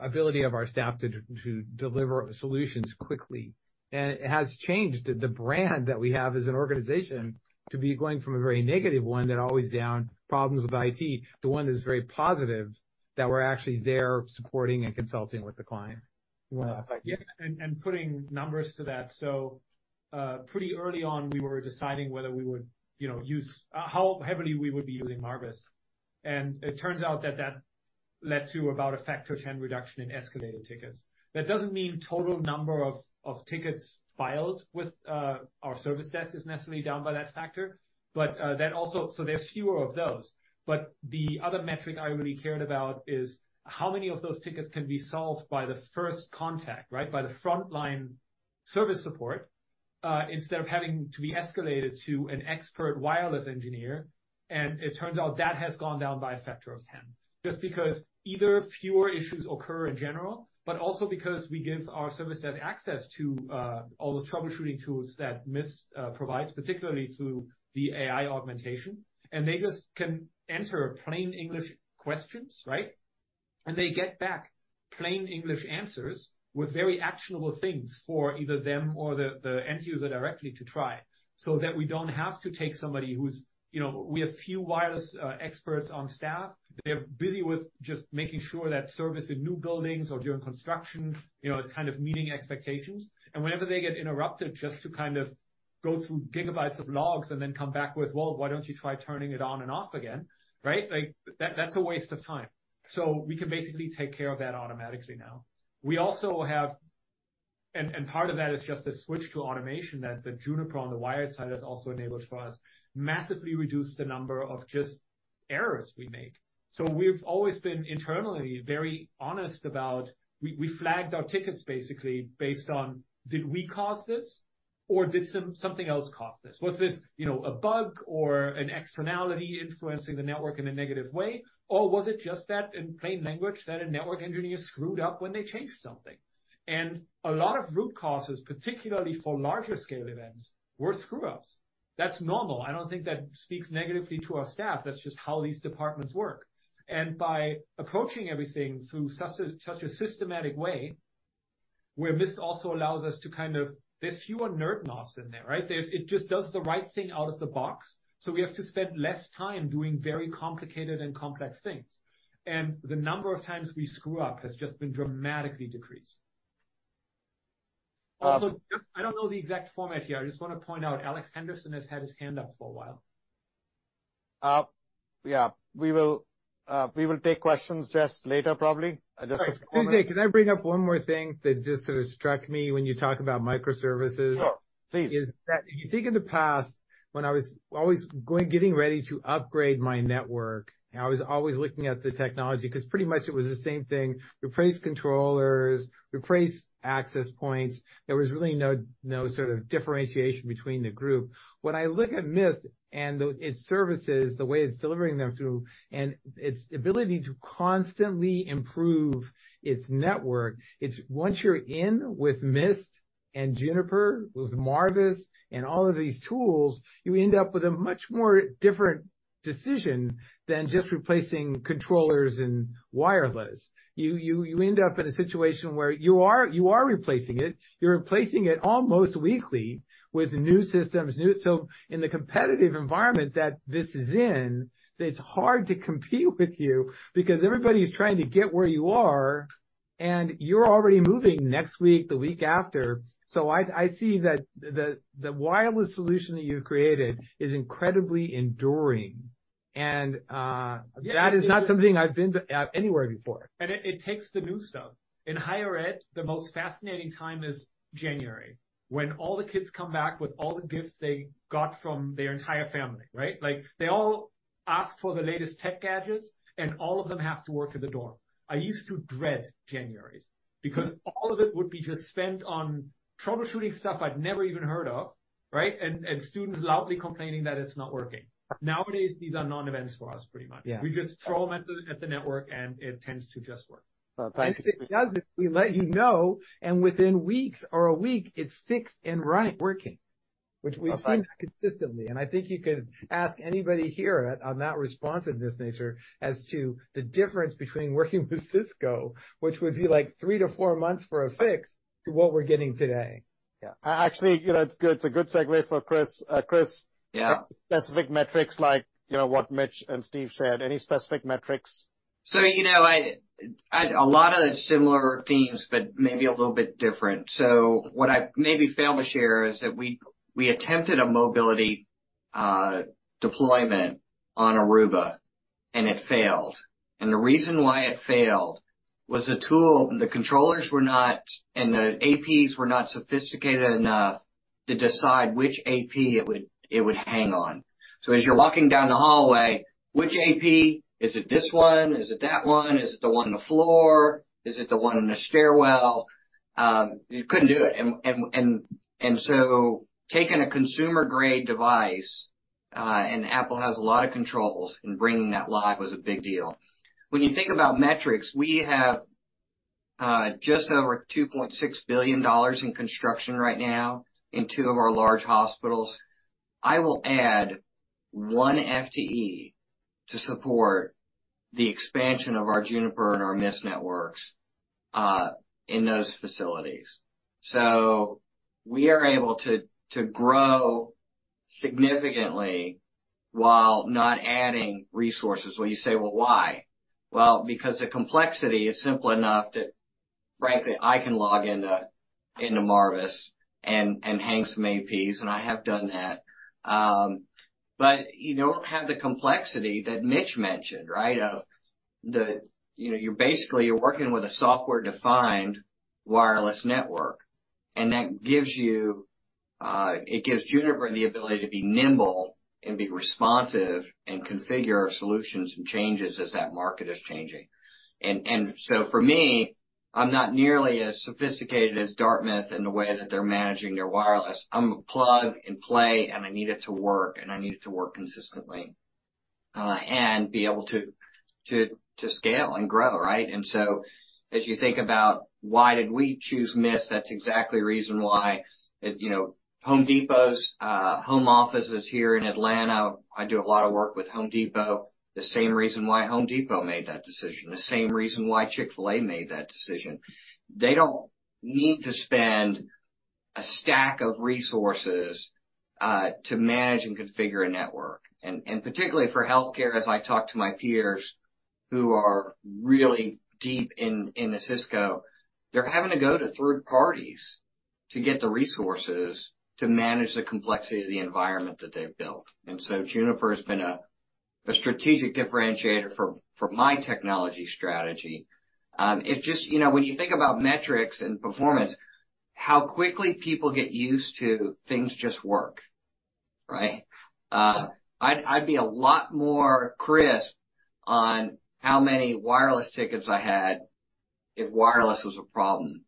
ability of our staff to deliver solutions quickly. It has changed the brand that we have as an organization to be going from a very negative one that always down, problems with IT, to one that's very positive, that we're actually there supporting and consulting with the client. You want to add something? Yeah, and putting numbers to that. So, pretty early on, we were deciding whether we would, you know, use... how heavily we would be using Marvis. And it turns out that that led to about a factor of 10 reduction in escalated tickets. That doesn't mean total number of tickets filed with our service desk is necessarily down by that factor, but, that also—so there's fewer of those. But the other metric I really cared about is how many of those tickets can be solved by the first contact, right? By the frontline service support instead of having to be escalated to an expert wireless engineer, and it turns out that has gone down by a factor of 10. Just because either fewer issues occur in general, but also because we give our service desk access to all those troubleshooting tools that Mist provides, particularly through the AI augmentation, and they just can enter plain English questions, right? And they get back plain English answers with very actionable things for either them or the end user directly to try, so that we don't have to take somebody who's... You know, we have few wireless experts on staff. They're busy with just making sure that service in new buildings or during construction, you know, is kind of meeting expectations. And whenever they get interrupted just to kind of go through gigabytes of logs and then come back with: "Well, why don't you try turning it on and off again?" Right? Like, that, that's a waste of time. So we can basically take care of that automatically now. We also have... And, and part of that is just a switch to automation that the Juniper on the wired side has also enabled for us, massively reduced the number of just errors we make. So we've always been internally very honest about... We, we flagged our tickets basically based on, did we cause this, or did something else cause this? Was this, you know, a bug or an externality influencing the network in a negative way? Or was it just that, in plain language, that a network engineer screwed up when they changed something? And a lot of root causes, particularly for larger scale events, were screw-ups. That's normal. I don't think that speaks negatively to our staff. That's just how these departments work. And by approaching everything through such a systematic way, where Mist also allows us to kind of... There's fewer nerd knobs in there, right? It just does the right thing out of the box, so we have to spend less time doing very complicated and complex things. And the number of times we screw up has just been dramatically decreased. I don't know the exact format here. I just want to point out, Alex Henderson has had his hand up for a while. Yeah. We will, we will take questions just later, probably. Just to- Hey, can I bring up one more thing that just sort of struck me when you talk about microservices? Sure, please. It's that if you think in the past, when I was always going, getting ready to upgrade my network, I was always looking at the technology, because pretty much it was the same thing. Replace controllers, replace access points. There was really no sort of differentiation between the group. When I look at Mist and its services, the way it's delivering them through, and its ability to constantly improve its network, it's once you're in with Mist and Juniper, with Marvis and all of these tools, you end up with a much more different decision than just replacing controllers and wireless. You end up in a situation where you are replacing it, you're replacing it almost weekly with new systems, new... So in the competitive environment that this is in, it's hard to compete with you because everybody is trying to get where you are, and you're already moving next week, the week after. So I see that the wireless solution that you've created is incredibly enduring, and that is not something I've been anywhere before. It takes the new stuff. In higher ed, the most fascinating time is January, when all the kids come back with all the gifts they got from their entire family, right? Like, they all ask for the latest tech gadgets, and all of them have to work in the dorm. I used to dread Januarys, because all of it would be just spent on troubleshooting stuff I'd never even heard of, right? And students loudly complaining that it's not working. Nowadays, these are non-events for us, pretty much. Yeah. We just throw them at the network, and it tends to just work. Well, thank you. And if it doesn't, we let you know, and within weeks or a week, it's fixed and right working, which we've seen consistently. And I think you can ask anybody here on that responsiveness nature as to the difference between working with Cisco, which would be like 3-4 months for a fix, to what we're getting today. Yeah. Actually, you know, it's good, it's a good segue for Chris. Chris? Yeah. Specific metrics like, you know, what Mitch and Steve said. Any specific metrics? So, you know, I... A lot of the similar themes, but maybe a little bit different. So what I maybe failed to share is that we attempted a mobility deployment on Aruba... and it failed. And the reason why it failed was the tool, the controllers were not, and the APs were not sophisticated enough to decide which AP it would hang on. So as you're walking down the hallway, which AP? Is it this one? Is it that one? Is it the one on the floor? Is it the one in the stairwell? You couldn't do it. And so taking a consumer-grade device, and Apple has a lot of controls, and bringing that live was a big deal. When you think about metrics, we have just over $2.6 billion in construction right now in two of our large hospitals. I will add one FTE to support the expansion of our Juniper and our Mist networks in those facilities. So we are able to grow significantly while not adding resources. Well, you say, well, why? Well, because the complexity is simple enough that, frankly, I can log into Marvis and hang some APs, and I have done that. But you don't have the complexity that Mitch mentioned, right? You know, you're basically, you're working with a software-defined wireless network, and that gives you it gives Juniper the ability to be nimble and be responsive and configure our solutions and changes as that market is changing. And so for me, I'm not nearly as sophisticated as Dartmouth in the way that they're managing their wireless. I'm a plug and play, and I need it to work, and I need it to work consistently, and be able to scale and grow, right? And so as you think about why did we choose Mist, that's exactly the reason why, you know, Home Depot's home office is here in Atlanta. I do a lot of work with Home Depot. The same reason why Home Depot made that decision, the same reason why Chick-fil-A made that decision. They don't need to spend a stack of resources to manage and configure a network. Particularly for healthcare, as I talk to my peers who are really deep in the Cisco, they're having to go to third parties to get the resources to manage the complexity of the environment that they've built. Juniper has been a strategic differentiator for my technology strategy. It's just, you know, when you think about metrics and performance, how quickly people get used to things just work, right? I'd be a lot more crisp on how many wireless tickets I had if wireless was a problem.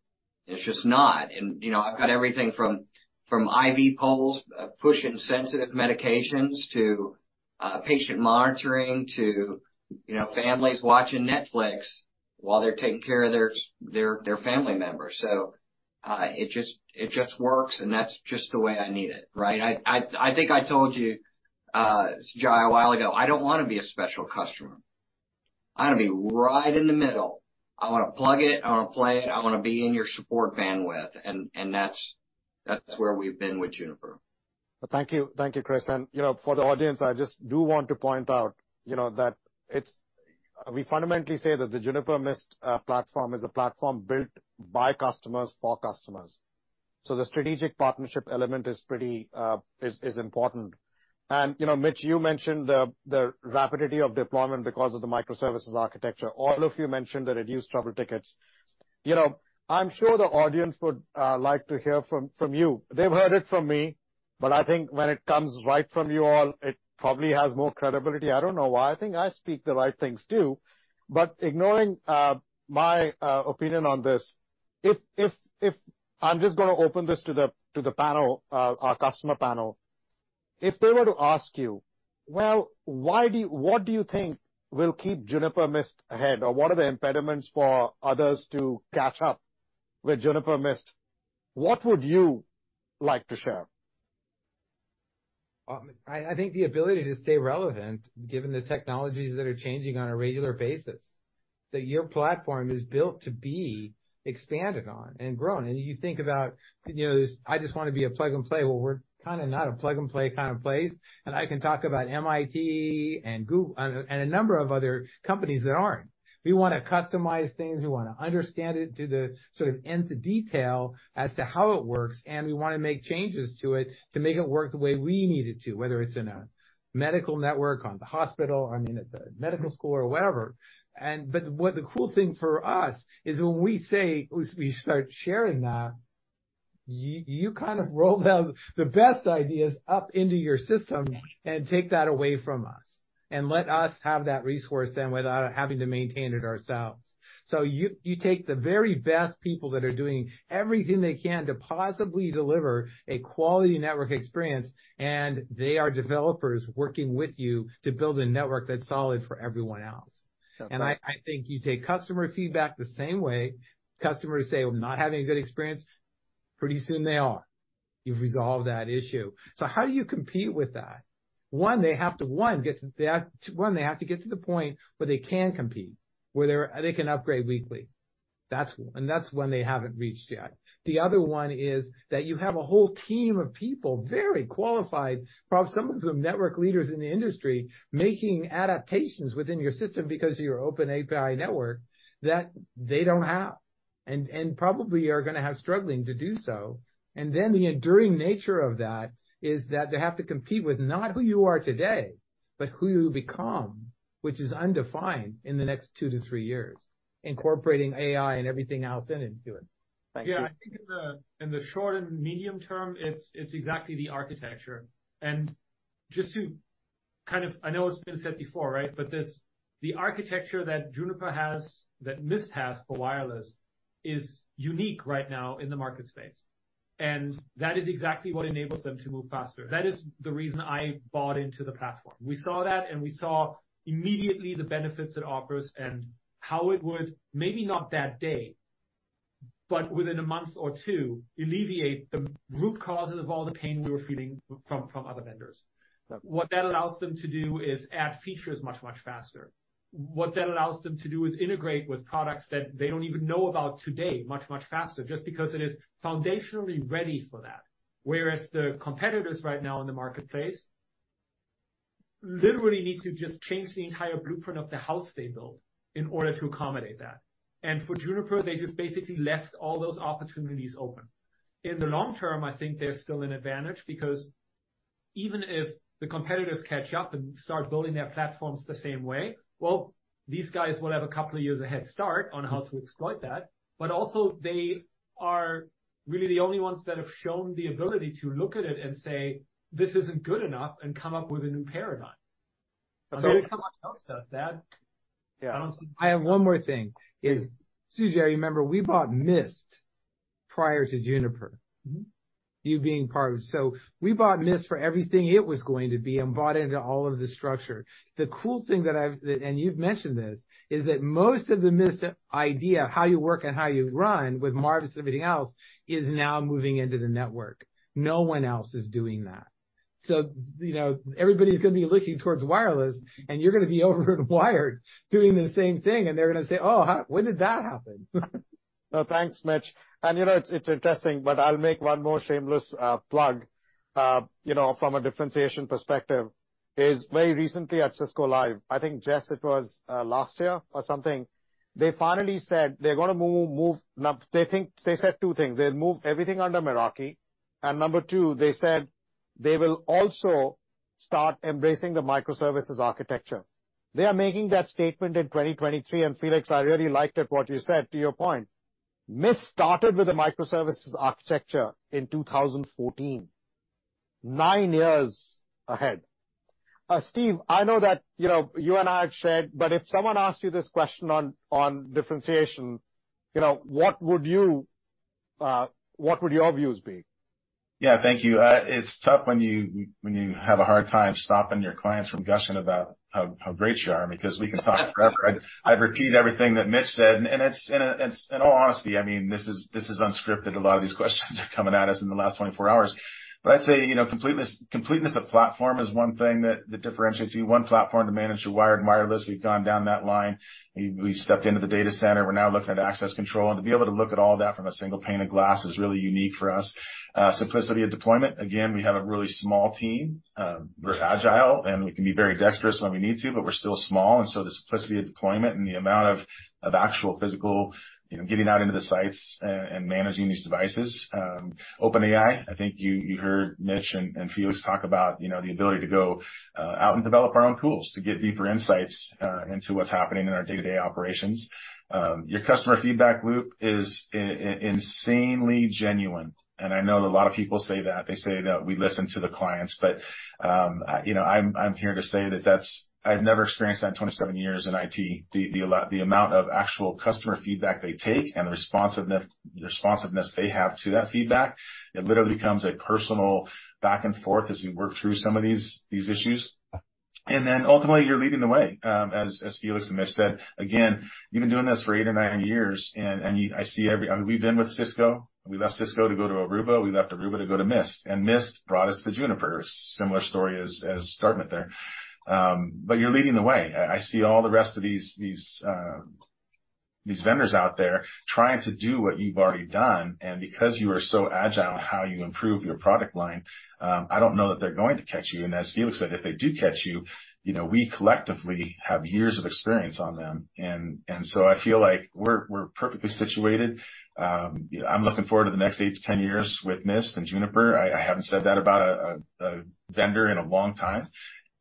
It's just not. You know, I've got everything from IV poles pushing sensitive medications to patient monitoring, to, you know, families watching Netflix while they're taking care of their family members. It just works, and that's just the way I need it, right? I think I told you, Jai, a while ago, I don't want to be a special customer. I want to be right in the middle. I want to plug it. I want to play it. I want to be in your support bandwidth, and that's where we've been with Juniper. Thank you. Thank you, Chris. And, you know, for the audience, I just do want to point out, you know, that it's we fundamentally say that the Juniper Mist platform is a platform built by customers, for customers. So the strategic partnership element is pretty important. And, you know, Mitch, you mentioned the rapidity of deployment because of the microservices architecture. All of you mentioned the reduced trouble tickets. You know, I'm sure the audience would like to hear from you. They've heard it from me, but I think when it comes right from you all, it probably has more credibility. I don't know why. I think I speak the right things too, but ignoring my opinion on this, if I'm just gonna open this to the panel, our customer panel. If they were to ask you, "Well, what do you think will keep Juniper Mist ahead? Or what are the impediments for others to catch up with Juniper Mist?" What would you like to share? I think the ability to stay relevant, given the technologies that are changing on a regular basis, that your platform is built to be expanded on and grown. And you think about, you know, I just want to be a plug-and-play. Well, we're kind of not a plug-and-play kind of place, and I can talk about MIT and a number of other companies that aren't. We want to customize things. We want to understand it to the sort of end-to-detail as to how it works, and we want to make changes to it to make it work the way we need it to, whether it's in a medical network, on the hospital, I mean, at the medical school or wherever. But what the cool thing for us is, when we say, when we start sharing that, you, you kind of roll down the best ideas up into your system and take that away from us and let us have that resource then without having to maintain it ourselves. So you, you take the very best people that are doing everything they can to possibly deliver a quality network experience, and they are developers working with you to build a network that's solid for everyone else. Okay. And I think you take customer feedback the same way. Customers say, "Well, I'm not having a good experience." Pretty soon they are. You've resolved that issue. So how do you compete with that? One, they have to get to the point where they can compete, where they can upgrade weekly. That's one they haven't reached yet. The other one is that you have a whole team of people, very qualified, probably some of the network leaders in the industry, making adaptations within your system because of your open API network that they don't have, and probably are going to have struggling to do so. And then the enduring nature of that is that they have to compete with not who you are today, but who you become, which is undefined in the next 2-3 years, incorporating AI and everything else into it. Thank you. Yeah, I think in the short and medium term, it's exactly the architecture. And just to kind of... I know it's been said before, right? But this, the architecture that Juniper has, that Mist has for wireless, is unique right now in the market space, and that is exactly what enables them to move faster. That is the reason I bought into the platform. We saw that, and we saw immediately the benefits it offers and how it would, maybe not that day, but within a month or two, alleviate the root causes of all the pain we were feeling from other vendors. What that allows them to do is add features much, much faster. What that allows them to do is integrate with products that they don't even know about today, much, much faster, just because it is foundationally ready for that. Whereas the competitors right now in the marketplace literally need to just change the entire blueprint of the house they built in order to accommodate that. For Juniper, they just basically left all those opportunities open. In the long term, I think they're still an advantage because even if the competitors catch up and start building their platforms the same way, well, these guys will have a couple of years head start on how to exploit that. Also, they are really the only ones that have shown the ability to look at it and say, "This isn't good enough," and come up with a new paradigm. Nobody else does that. Yeah. I have one more thing, is Sujai, you remember, we bought Mist prior to Juniper. Mm-hmm. You being part of... So we bought Mist for everything it was going to be and bought into all of the structure. The cool thing that I've, and you've mentioned this, is that most of the Mist idea, how you work and how you run with Marvis and everything else, is now moving into the network. No one else is doing that. So, you know, everybody's going to be looking towards wireless, and you're going to be over in wired doing the same thing, and they're going to say, "Oh, huh, when did that happen? Well, thanks, Mitch. And, you know, it's interesting, but I'll make one more shameless plug. You know, from a differentiation perspective, it is very recently at Cisco Live, I think, Jess, it was last year or something, they finally said they're gonna move. Now, they think, they said two things: they'll move everything under Meraki, and number two, they said they will also start embracing the microservices architecture. They are making that statement in 2023, and Felix, I really liked it what you said, to your point. Mist started with a microservices architecture in 2014. 9 years ahead. Steve, I know that, you know, you and I have shared, but if someone asked you this question on differentiation, you know, what would you, what would your views be? Yeah, thank you. It's tough when you have a hard time stopping your clients from gushing about how great you are, because we can talk forever. I'd repeat everything that Mitch said, and it's, in all honesty, I mean, this is unscripted. A lot of these questions are coming at us in the last 24 hours. But I'd say, you know, completeness of platform is one thing that differentiates you. One platform to manage your wired, wireless, we've gone down that line. We've stepped into the data center. We're now looking at access control. And to be able to look at all that from a single pane of glass is really unique for us. Simplicity of deployment, again, we have a really small team. We're agile, and we can be very dexterous when we need to, but we're still small, and so the simplicity of deployment and the amount of actual physical, you know, getting out into the sites and managing these devices. Open API, I think you heard Mitch and Felix talk about, you know, the ability to go out and develop our own tools to get deeper insights into what's happening in our day-to-day operations. Your customer feedback loop is insanely genuine, and I know a lot of people say that. They say that we listen to the clients, but, you know, I'm here to say that that's—I've never experienced that in 27 years in IT. The amount of actual customer feedback they take and the responsiveness, the responsiveness they have to that feedback, it literally becomes a personal back and forth as we work through some of these, these issues. Then ultimately, you're leading the way, as Felix and Mitch said. Again, you've been doing this for eight or nine years, and you—I see every... We've been with Cisco. We left Cisco to go to Aruba. We left Aruba to go to Mist, and Mist brought us to Juniper. Similar story as starting it there. But you're leading the way. I see all the rest of these, these vendors out there trying to do what you've already done, and because you are so agile in how you improve your product line, I don't know that they're going to catch you. And as Felix said, if they do catch you, you know, we collectively have years of experience on them. And so I feel like we're perfectly situated. You know, I'm looking forward to the next 8-10 years with Mist and Juniper. I haven't said that about a vendor in a long time.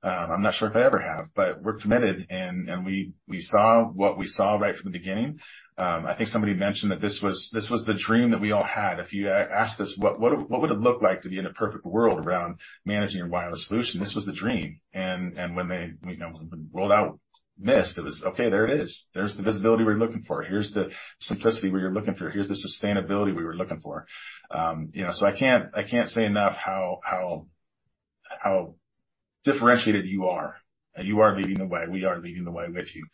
I'm not sure if I ever have, but we're committed, and we saw what we saw right from the beginning. I think somebody mentioned that this was the dream that we all had. If you asked us, what would it look like to be in a perfect world around managing your wireless solution? This was the dream, and when they, you know, rolled out Mist, it was, "Okay, there it is. There's the visibility we're looking for. Here's the simplicity we were looking for. Here's the sustainability we were looking for." You know, so I can't say enough how differentiated you are. You are leading the way. We are leading the way with you.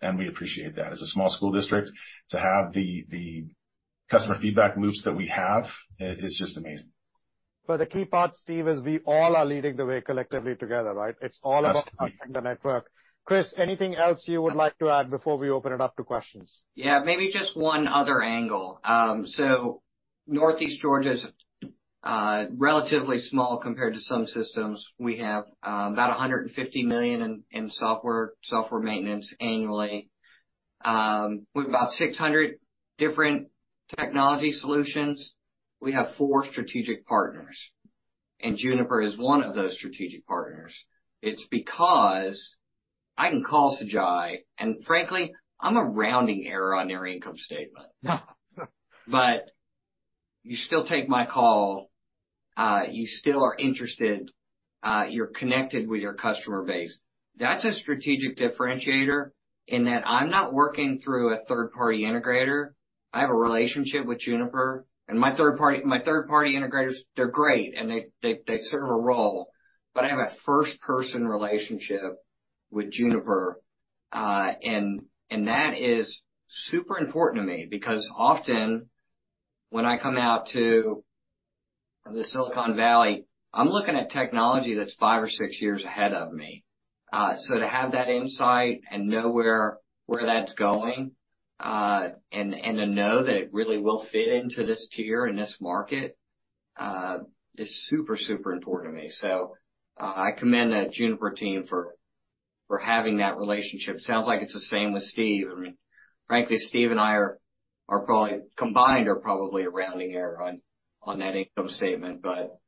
And we appreciate that. As a small school district, to have the customer feedback loops that we have is just amazing. The key part, Steve, is we all are leading the way collectively together, right? It's all about the network. Chris, anything else you would like to add before we open it up to questions? Yeah, maybe just one other. So Northeast Georgia is relatively small compared to some systems. We have about $150 million in software maintenance annually. We have about 600 different technology solutions. We have four strategic partners, and Juniper is one of those strategic partners. It's because I can call Sujai, and frankly, I'm a rounding error on your income statement. But you still take my call, you still are interested, you're connected with your customer base. That's a strategic differentiator in that I'm not working through a third-party integrator. I have a relationship with Juniper, and my third-party integrators, they're great, and they serve a role, but I have a first-person relationship with Juniper. That is super important to me because often when I come out to the Silicon Valley, I'm looking at technology that's five or six years ahead of me. So to have that insight and know where that's going, and to know that it really will fit into this tier and this market, is super, super important to me. So, I commend the Juniper team for having that relationship. Sounds like it's the same with Steve. I mean, frankly, Steve and I are probably combined, are probably a rounding error on that income statement, but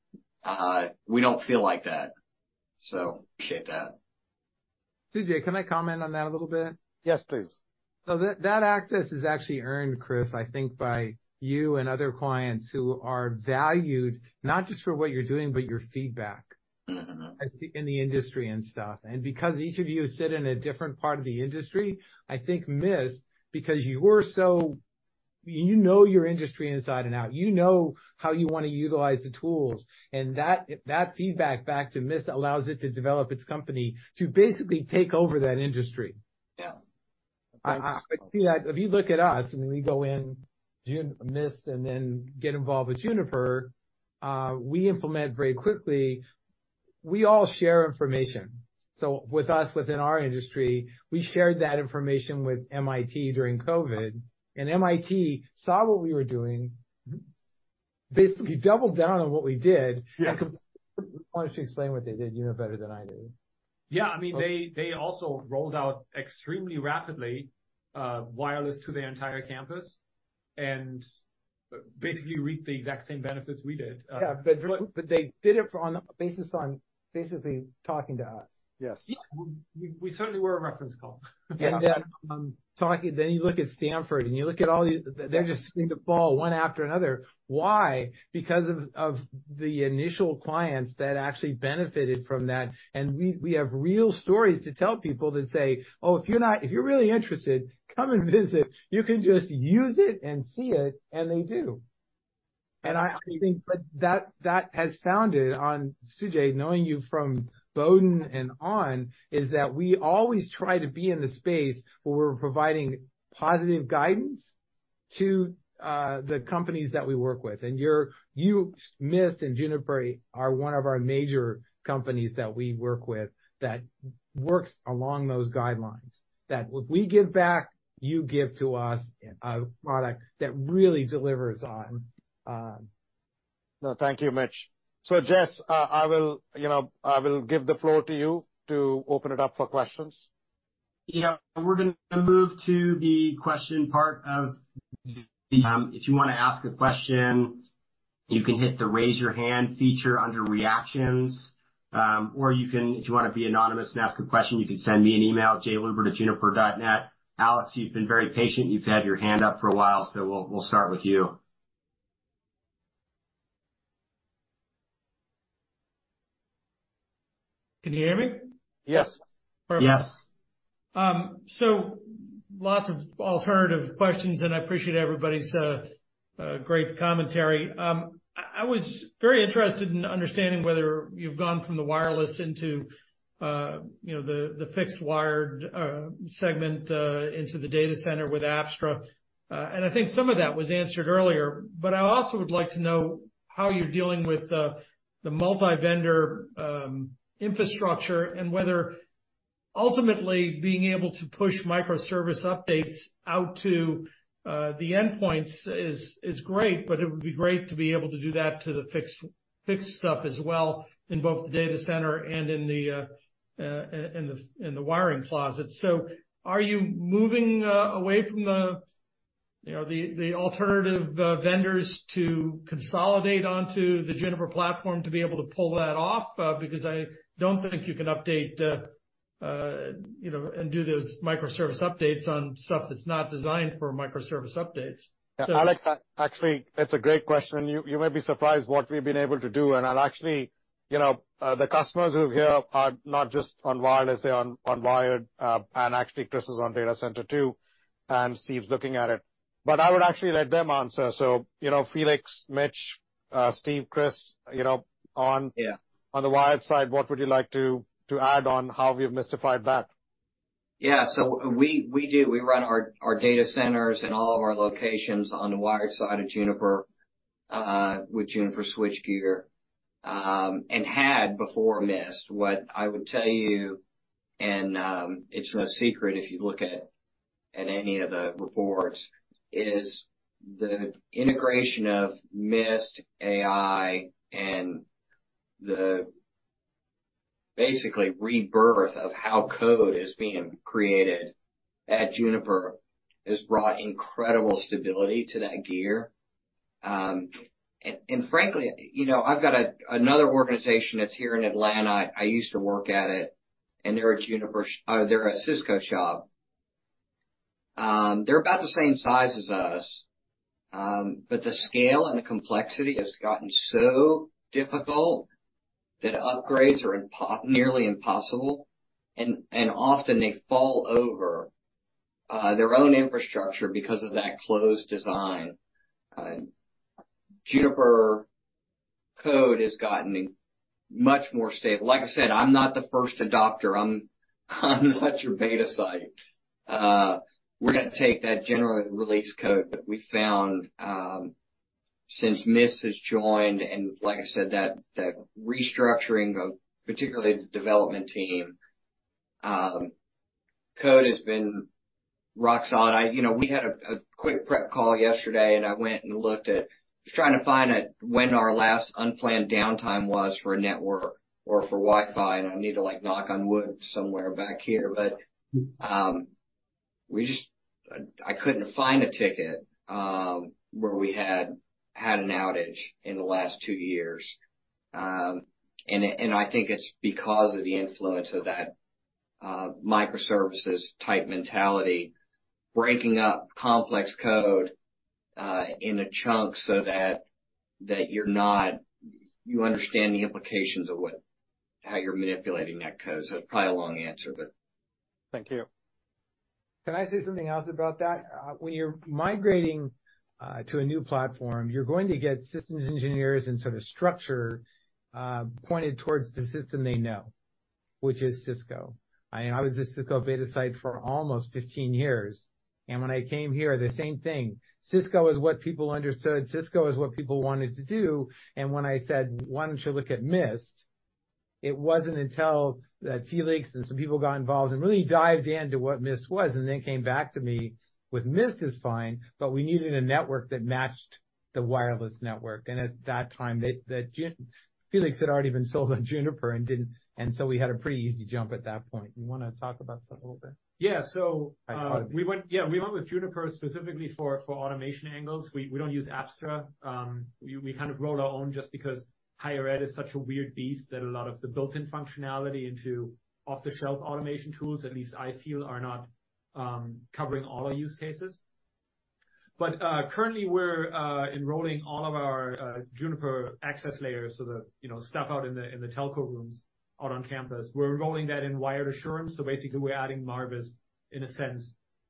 we don't feel like that, so appreciate that. Sujai, can I comment on that a little bit? Yes, please. So that access is actually earned, Chris, I think, by you and other clients who are valued not just for what you're doing, but your feedback. Mm-hmm. in the industry and stuff. And because each of you sit in a different part of the industry, I think Mist, because you were so... You know your industry inside and out. You know how you want to utilize the tools, and that, that feedback back to Mist allows it to develop its company to basically take over that industry. Yeah. I see that. If you look at us and we go in Juniper Mist and then get involved with Juniper, we implement very quickly. We all share information. So with us, within our industry, we shared that information with MIT during COVID, and MIT saw what we were doing, basically doubled down on what we did. Yes. Why don't you explain what they did? You know better than I do. Yeah. I mean, they also rolled out extremely rapidly wireless to their entire campus and basically reaped the exact same benefits we did. Yeah, but they did it on the basis of basically talking to us. Yes. Yeah. We certainly were a reference call. Then you look at Stanford, and you look at all the- Yes. They're just seeing the ball one after another. Why? Because of the initial clients that actually benefited from that, and we have real stories to tell people to say, "Oh, if you're really interested, come and visit. You can just use it and see it," and they do. And I think that that has founded on, Sujai, knowing you from Bowdoin and on, is that we always try to be in the space where we're providing positive guidance to the companies that we work with. And you're Mist and Juniper are one of our major companies that we work with that works along those guidelines, that if we give back, you give to us a product that really delivers on- No, thank you, Mitch. So, Jess, I will, you know, I will give the floor to you to open it up for questions. Yeah, we're gonna move to the question part of the... If you want to ask a question, you can hit the Raise Your Hand feature under Reactions, or you can, if you want to be anonymous and ask a question, you can send me an email, jlubert@juniper.net. Alex, you've been very patient. You've had your hand up for a while, so we'll start with you. Can you hear me? Yes. Yes. So lots of alternative questions, and I appreciate everybody's great commentary. I was very interested in understanding whether you've gone from the wireless into, you know, the fixed wired segment into the data center with Apstra. And I think some of that was answered earlier, but I also would like to know how you're dealing with the multi-vendor infrastructure and whether ultimately being able to push microservice updates out to the endpoints is great, but it would be great to be able to do that to the fixed stuff as well, in both the data center and in the wiring closet. So are you moving away from, you know, the alternative vendors to consolidate onto the Juniper platform to be able to pull that off? Because I don't think you can update, you know, and do those microservice updates on stuff that's not designed for microservice updates. Alex, actually, it's a great question, and you, you may be surprised what we've been able to do. And I'll actually... You know, the customers who are here are not just on wireless, they're on wired, and actually, Chris is on data center, too, and Steve's looking at it. But I would actually let them answer. So, you know, Felix, Mitch, Steve, Chris, you know, on- Yeah. On the wired side, what would you like to add on how we have mystified that? Yeah. So we do. We run our data centers and all of our locations on the wired side of Juniper with Juniper switch gear, and had before Mist. What I would tell you, and it's no secret, if you look at any of the reports, is the integration of Mist AI and the basically rebirth of how code is being created at Juniper, has brought incredible stability to that gear. And frankly, you know, I've got another organization that's here in Atlanta, I used to work at it, and they're a Cisco shop. They're about the same size as us, but the scale and the complexity has gotten so difficult that upgrades are nearly impossible, and often they fall over their own infrastructure because of that closed design. Juniper code has gotten much more stable. Like I said, I'm not the first adopter. I'm not your beta site. We're going to take that general release code that we found since Mist has joined, and like I said, that restructuring of particularly the development team, code has been rock solid. You know, we had a quick prep call yesterday, and I went and looked at trying to find out when our last unplanned downtime was for a network or for Wi-Fi, and I need to like knock on wood somewhere back here. But we just—I couldn't find a ticket where we had an outage in the last two years. I think it's because of the influence of that microservices-type mentality, breaking up complex code in a chunk so that you're not, you understand the implications of what, how you're manipulating that code. So probably a long answer, but... Thank you. Can I say something else about that? When you're migrating to a new platform, you're going to get systems engineers and so the structure pointed towards the system they know, which is Cisco. I was a Cisco beta site for almost 15 years, and when I came here, the same thing. Cisco is what people understood. Cisco is what people wanted to do, and when I said, "Why don't you look at Mist?" It wasn't until Felix and some people got involved and really dived into what Mist was, and then came back to me with, "Mist is fine, but we needed a network that matched the wireless network." And at that time, Felix had already been sold on Juniper and didn't... And so we had a pretty easy jump at that point. You want to talk about that a little bit? Yeah, so, we went with Juniper specifically for automation angles. We don't use Apstra. We kind of wrote our own just because higher ed is such a weird beast, that a lot of the built-in functionality into off-the-shelf automation tools, at least I feel, are not covering all our use cases. But currently, we're enrolling all of our Juniper access layers, so the, you know, stuff out in the telco rooms out on campus. We're enrolling that in Wired Assurance, so basically, we're adding Marvis, in a sense,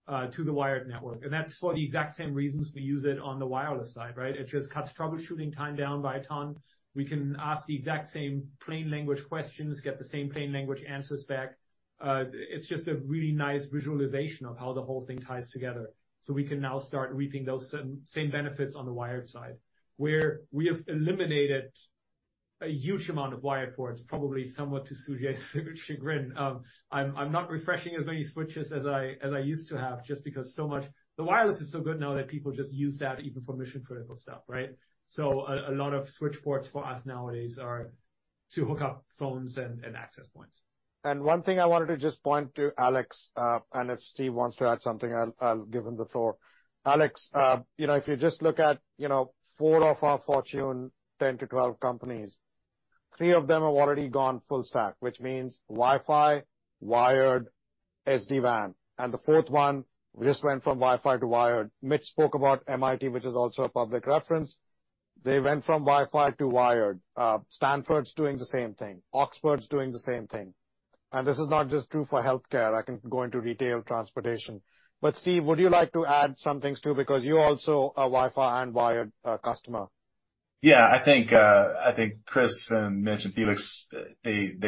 to the wired network, and that's for the exact same reasons we use it on the wireless side, right? It just cuts troubleshooting time down by a ton. We can ask the exact same plain language questions, get the same plain language answers back. It's just a really nice visualization of how the whole thing ties together. So we can now start reaping those same, same benefits on the wired side, where we have eliminated a huge amount of wired ports, probably somewhat to Sujai's chagrin. I'm not refreshing as many switches as I used to have, just because so much. The wireless is so good now that people just use that even for mission-critical stuff, right? So a lot of switch ports for us nowadays are to hook up phones and access points. One thing I wanted to just point to Alex, and if Steve wants to add something, I'll give him the floor. Alex, you know, if you just look at, you know, 4 of our Fortune 10-12 companies, 3 of them have already gone full stack, which means Wi-Fi, wired, SD-WAN, and the fourth one, we just went from Wi-Fi to wired. Mitch spoke about MIT, which is also a public reference. They went from Wi-Fi to wired. Stanford's doing the same thing. Oxford's doing the same thing. And this is not just true for healthcare. I can go into retail, transportation. But Steve, would you like to add some things, too? Because you're also a Wi-Fi and wired customer. Yeah, I think Chris and Mitch and Felix hit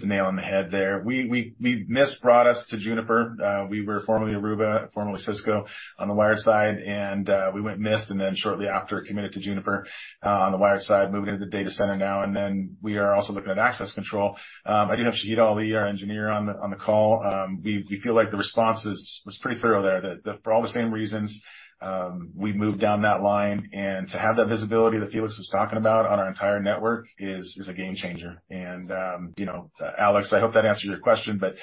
the nail on the head there. Mist brought us to Juniper. We were formerly Aruba, formerly Cisco, on the wired side, and we went Mist, and then shortly after, committed to Juniper on the wired side, moving into the data center now, and then we are also looking at access control. I do have Shitoli, our engineer, on the call. We feel like the response was pretty thorough there. That for all the same reasons we moved down that line. And to have that visibility that Felix was talking about on our entire network is a game changer. And, you know, Alex, I hope that answers your question, but,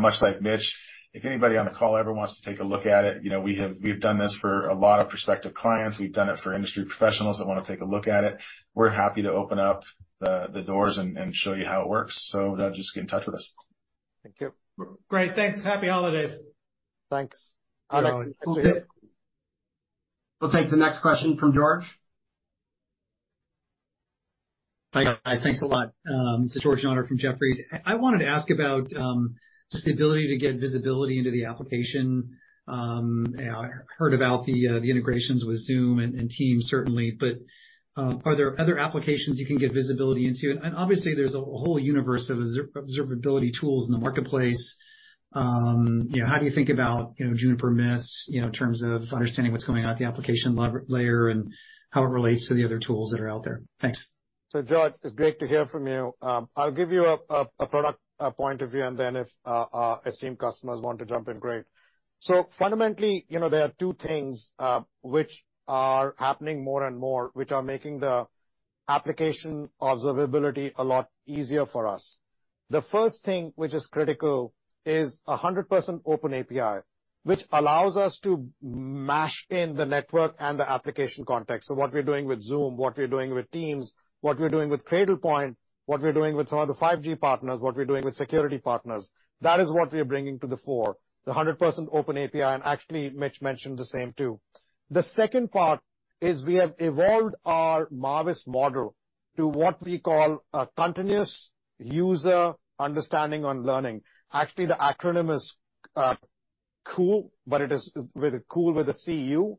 much like Mitch, if anybody on the call ever wants to take a look at it, you know, we've done this for a lot of prospective clients. We've done it for industry professionals that want to take a look at it. We're happy to open up the doors and show you how it works, so just get in touch with us. Thank you. Great. Thanks. Happy holidays. Thanks. We'll take the next question from George. Hi, guys. Thanks a lot. It's George Notter from Jefferies. I wanted to ask about just the ability to get visibility into the application. I heard about the integrations with Zoom and Teams, certainly, but are there other applications you can get visibility into? And obviously, there's a whole universe of observability tools in the marketplace. You know, how do you think about Juniper Mist, you know, in terms of understanding what's going on at the application layer and how it relates to the other tools that are out there? Thanks. So, George, it's great to hear from you. I'll give you a product point of view, and then if our esteemed customers want to jump in, great. So fundamentally, you know, there are two things which are happening more and more, which are making the application observability a lot easier for us. The first thing, which is critical, is 100% open API, which allows us to mash in the network and the application context. So what we're doing with Zoom, what we're doing with Teams, what we're doing with Cradlepoint, what we're doing with some of the 5G partners, what we're doing with security partners, that is what we are bringing to the fore, the 100% open API. And actually, Mitch mentioned the same, too. The second part is we have evolved our Marvis model to what we call a Continuous User Understanding on Learning. Actually, the acronym is CUUL, but it is with CUUL with a C-U.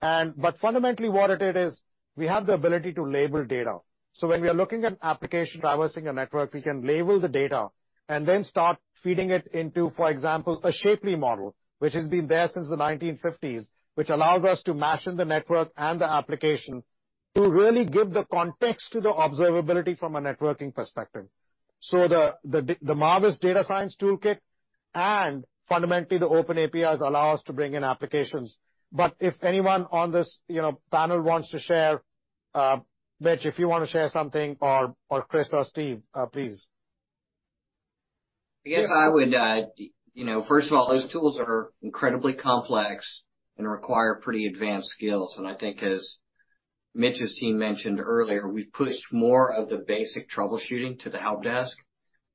But fundamentally, what it is, we have the ability to label data. So when we are looking at application traversing a network, we can label the data and then start feeding it into, for example, a Shapley model, which has been there since the 1950s, which allows us to mash in the network and the application to really give the context to the observability from a networking perspective. So the Marvis data science toolkit and fundamentally, the open APIs allow us to bring in applications. But if anyone on this, you know, panel wants to share, Mitch, if you want to share something, or Chris or Steve, please. I guess I would, you know, first of all, those tools are incredibly complex and require pretty advanced skills, and I think as Mitch's team mentioned earlier, we've pushed more of the basic troubleshooting to the help desk,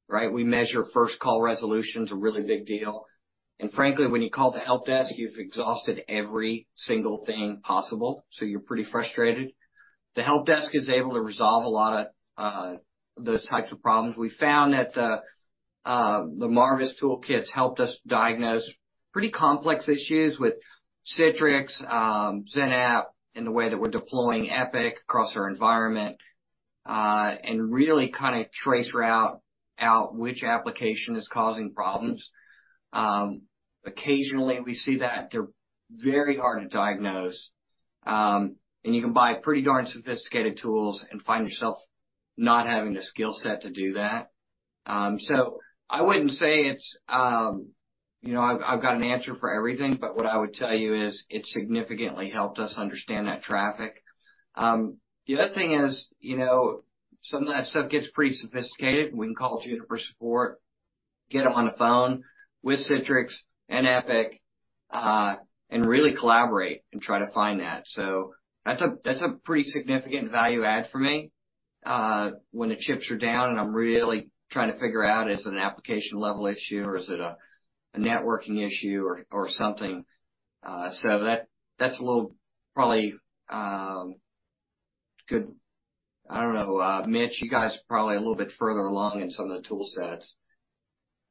right? We measure first call resolution is a really big deal, and frankly, when you call the help desk, you've exhausted every single thing possible, so you're pretty frustrated. The help desk is able to resolve a lot of those types of problems. We found that the Marvis toolkits helped us diagnose pretty complex issues with Citrix XenApp, and the way that we're deploying Epic across our environment, and really kind of trace route out which application is causing problems. Occasionally, we see that they're very hard to diagnose, and you can buy pretty darn sophisticated tools and find yourself not having the skill set to do that. So I wouldn't say it's, you know, I've got an answer for everything, but what I would tell you is it significantly helped us understand that traffic. The other thing is, you know, some of that stuff gets pretty sophisticated. We can call Juniper support, get them on the phone with Citrix and Epic, and really collaborate and try to find that. So that's a pretty significant value add for me, when the chips are down, and I'm really trying to figure out, is it an application-level issue or is it a networking issue or something? So that, that's a little probably good. I don't know, Mitch, you guys are probably a little bit further along in some of the tool sets.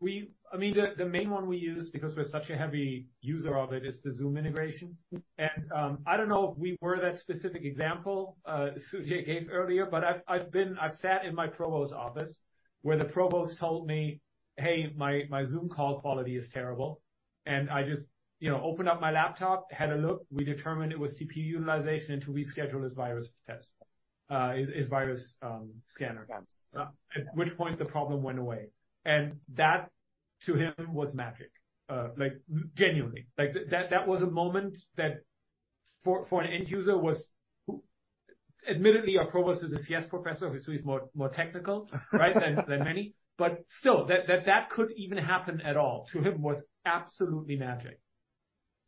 We—I mean, the main one we use, because we're such a heavy user of it, is the Zoom integration. And, I don't know if we were that specific example Sujai gave earlier, but I've sat in my provost's office, where the provost told me, "Hey, my Zoom call quality is terrible." And I just, you know, opened up my laptop, had a look. We determined it was CPU utilization, and to reschedule his virus test, his virus scanner. Yes. At which point the problem went away. And that, to him, was magic. Like, genuinely. Like, that was a moment that for an end user was—admittedly, our provost is a CS professor, so he's more technical, right, than many. But still, that that could even happen at all, to him, was absolutely magic.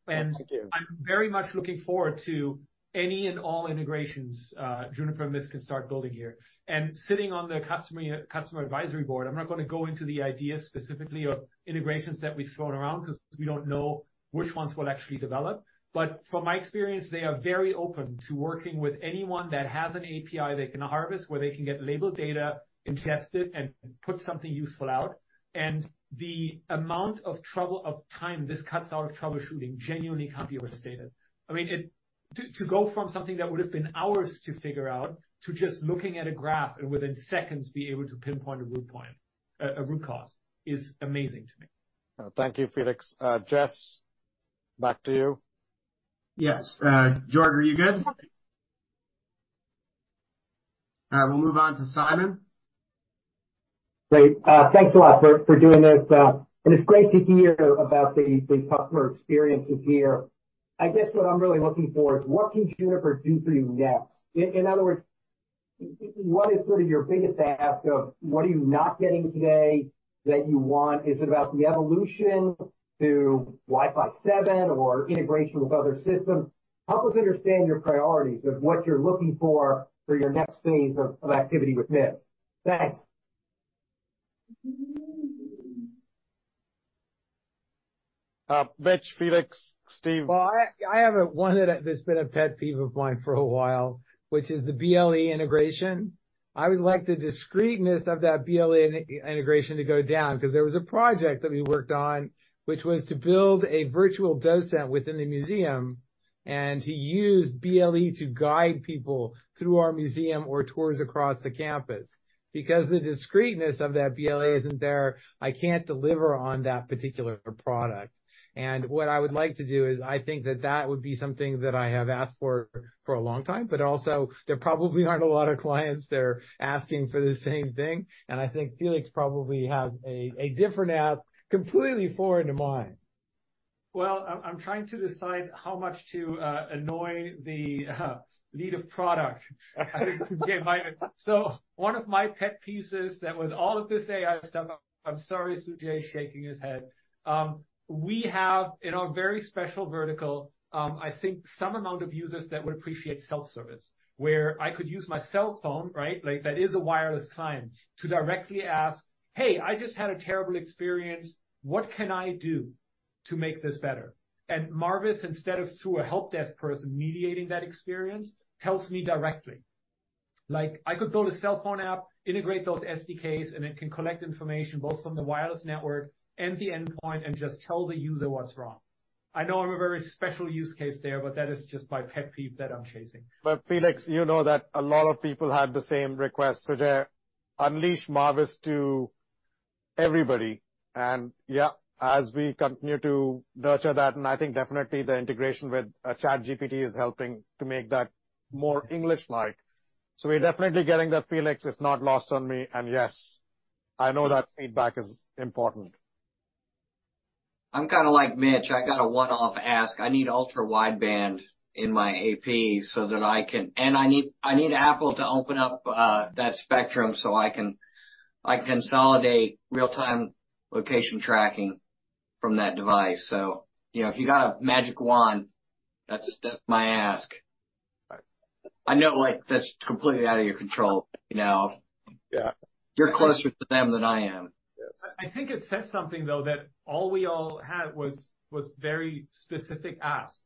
Thank you. I'm very much looking forward to any and all integrations Juniper and Mist can start building here. Sitting on the customer advisory board, I'm not going to go into the ideas specifically of integrations that we've thrown around because we don't know which ones we'll actually develop. But from my experience, they are very open to working with anyone that has an API they can harvest, where they can get labeled data and test it and put something useful out. The amount of troubleshooting time this cuts out of troubleshooting genuinely can't be overstated. I mean, to go from something that would've been hours to figure out, to just looking at a graph and within seconds be able to pinpoint a root point, a root cause, is amazing to me. Thank you, Felix. Jess, back to you. Yes. George, are you good? We'll move on to Simon. Great. Thanks a lot for, for doing this. It's great to hear about the, the customer experiences here. I guess what I'm really looking for is, what can Juniper do for you next? In, in other words, what is sort of your biggest ask of what are you not getting today that you want? Is it about the evolution to Wi-Fi 7 or integration with other systems? Help us understand your priorities of what you're looking for for your next phase of, of activity with Mist. Thanks. Mitch, Felix, Steve? Well, I have one that has been a pet peeve of mine for a while, which is the BLE integration. I would like the discreteness of that BLE integration to go down, because there was a project that we worked on, which was to build a virtual docent within the museum and to use BLE to guide people through our museum or tours across the campus. Because the discreteness of that BLE isn't there, I can't deliver on that particular product. And what I would like to do is I think that that would be something that I have asked for, for a long time, but also there probably aren't a lot of clients that are asking for the same thing. And I think Felix probably has a different app completely foreign to mine. Well, I'm trying to decide how much to annoy the lead of product. So one of my pet peeves with all of this AI stuff—I'm sorry, Sujai is shaking his head. We have, in our very special vertical, I think some amount of users that would appreciate self-service, where I could use my cell phone, right? Like, that is a wireless client, to directly ask, "Hey, I just had a terrible experience. What can I do to make this better?" And Marvis, instead of through a help desk person mediating that experience, tells me directly. Like, I could build a cell phone app, integrate those SDKs, and it can collect information both from the wireless network and the endpoint and just tell the user what's wrong. I know I'm a very special use case there, but that is just my pet peeve that I'm chasing. But, Felix, you know that a lot of people had the same request. Sujai, unleash Marvis to everybody. And, yeah, as we continue to nurture that, and I think definitely the integration with ChatGPT is helping to make that more English-like. So we're definitely getting that, Felix. It's not lost on me. And yes, I know that feedback is important. I'm kinda like Mitch. I got a one-off ask. I need ultra-wideband in my AP so that I can—and I need, I need Apple to open up that spectrum so I can, I can consolidate real-time location tracking from that device. So, you know, if you got a magic wand, that's, that's my ask. I know, like, that's completely out of your control, you know? Yeah. You're closer to them than I am. Yes. I think it says something, though, that all we all had was very specific asks.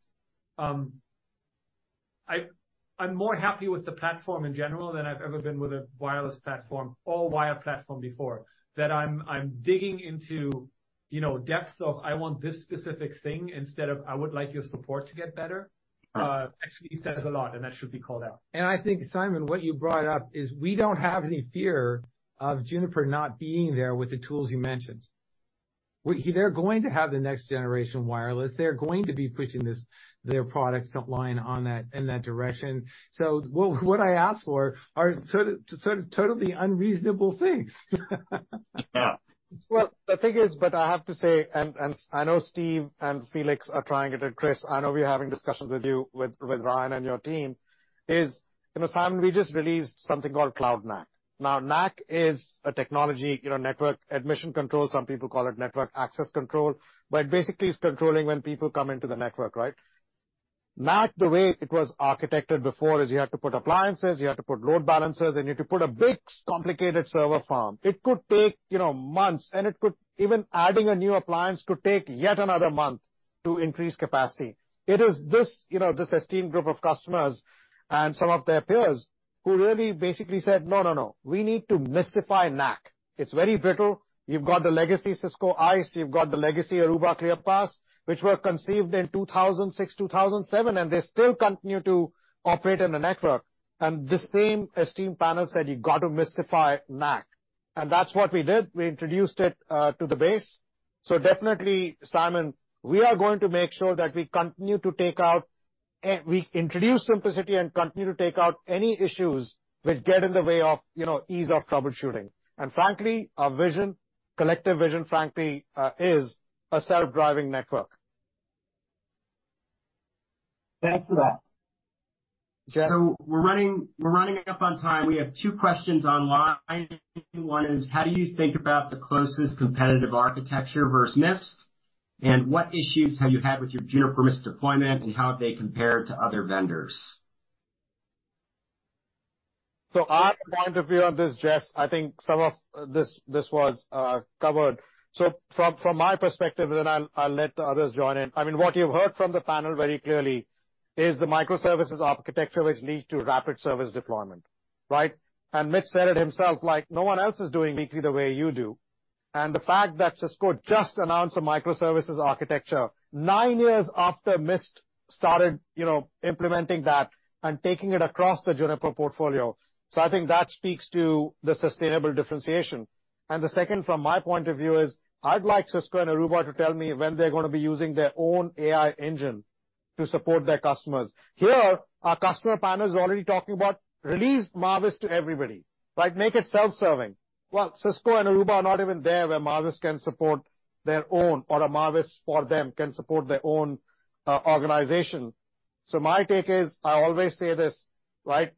I'm more happy with the platform in general than I've ever been with a wireless platform or wire platform before, that I'm digging into, you know, depths of, I want this specific thing, instead of I would like your support to get better. Actually, it says a lot, and that should be called out. I think, Simon, what you brought up is we don't have any fear of Juniper not being there with the tools you mentioned. We- they're going to have the next generation wireless. They're going to be pushing this, their product line on that, in that direction. So what, what I asked for are sort of, sort of totally unreasonable things. Well, the thing is, but I have to say, and I know Steve and Felix are trying it, and Chris, I know we're having discussions with you, with Ryan and your team. You know, Simon, we just released something called Cloud NAC. Now, NAC is a technology, you know, network admission control. Some people call it network access control, but basically, it's controlling when people come into the network, right? NAC, the way it was architected before, is you had to put appliances, you had to put load balancers, and you had to put a big, complicated server farm. It could take, you know, months, and it could even... Even adding a new appliance could take yet another month to increase capacity. It is this, you know, this esteemed group of customers and some of their peers who really basically said, "No, no, no, we need to demystify NAC." It's very brittle. You've got the legacy Cisco ISE, you've got the legacy Aruba ClearPass, which were conceived in 2006, 2007, and they still continue to operate in the network. And the same esteemed panel said, "You've got to demystify NAC." And that's what we did. We introduced it to the base. So definitely, Simon, we are going to make sure that we continue to take out, we introduce simplicity and continue to take out any issues which get in the way of, you know, ease of troubleshooting. And frankly, our vision, collective vision, frankly, is a self-driving network. Thanks for that. So we're running up on time. We have two questions online. One is: How do you think about the closest competitive architecture versus Mist? And what issues have you had with your Juniper Mist deployment, and how have they compared to other vendors? So our point of view on this, Jess, I think some of this, this was covered. So from, from my perspective, and then I'll, I'll let the others join in. I mean, what you've heard from the panel very clearly is the microservices architecture, which leads to rapid service deployment, right? And Mitch said it himself, like, no one else is doing Mist the way you do. And the fact that Cisco just announced a microservices architecture 9 years after Mist started, you know, implementing that and taking it across the Juniper portfolio. So I think that speaks to the sustainable differentiation. And the second, from my point of view, is I'd like Cisco and Aruba to tell me when they're gonna be using their own AI engine to support their customers. Here, our customer panel is already talking about release Marvis to everybody, right? Make it self-serving. Well, Cisco and Aruba are not even there, where Marvis can support their own, or a Marvis for them can support their own organization. So my take is, I always say this, right?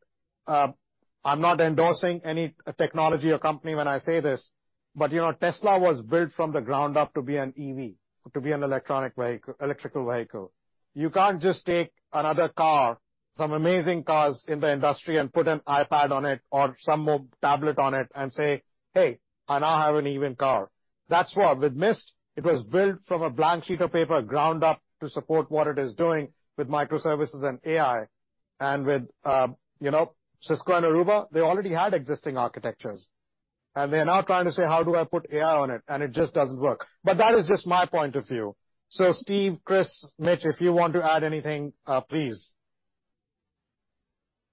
I'm not endorsing any technology or company when I say this, but, you know, Tesla was built from the ground up to be an EV, to be an electronic vehicle - electrical vehicle. You can't just take another car, some amazing cars in the industry, and put an iPad on it or some more tablet on it and say, "Hey, I now have an even car." That's why with Mist, it was built from a blank sheet of paper, ground up, to support what it is doing with microservices and AI. And with, you know, Cisco and Aruba, they already had existing architectures. They're now trying to say: How do I put AI on it? And it just doesn't work. But that is just my point of view. So Steve, Chris, Mitch, if you want to add anything, please.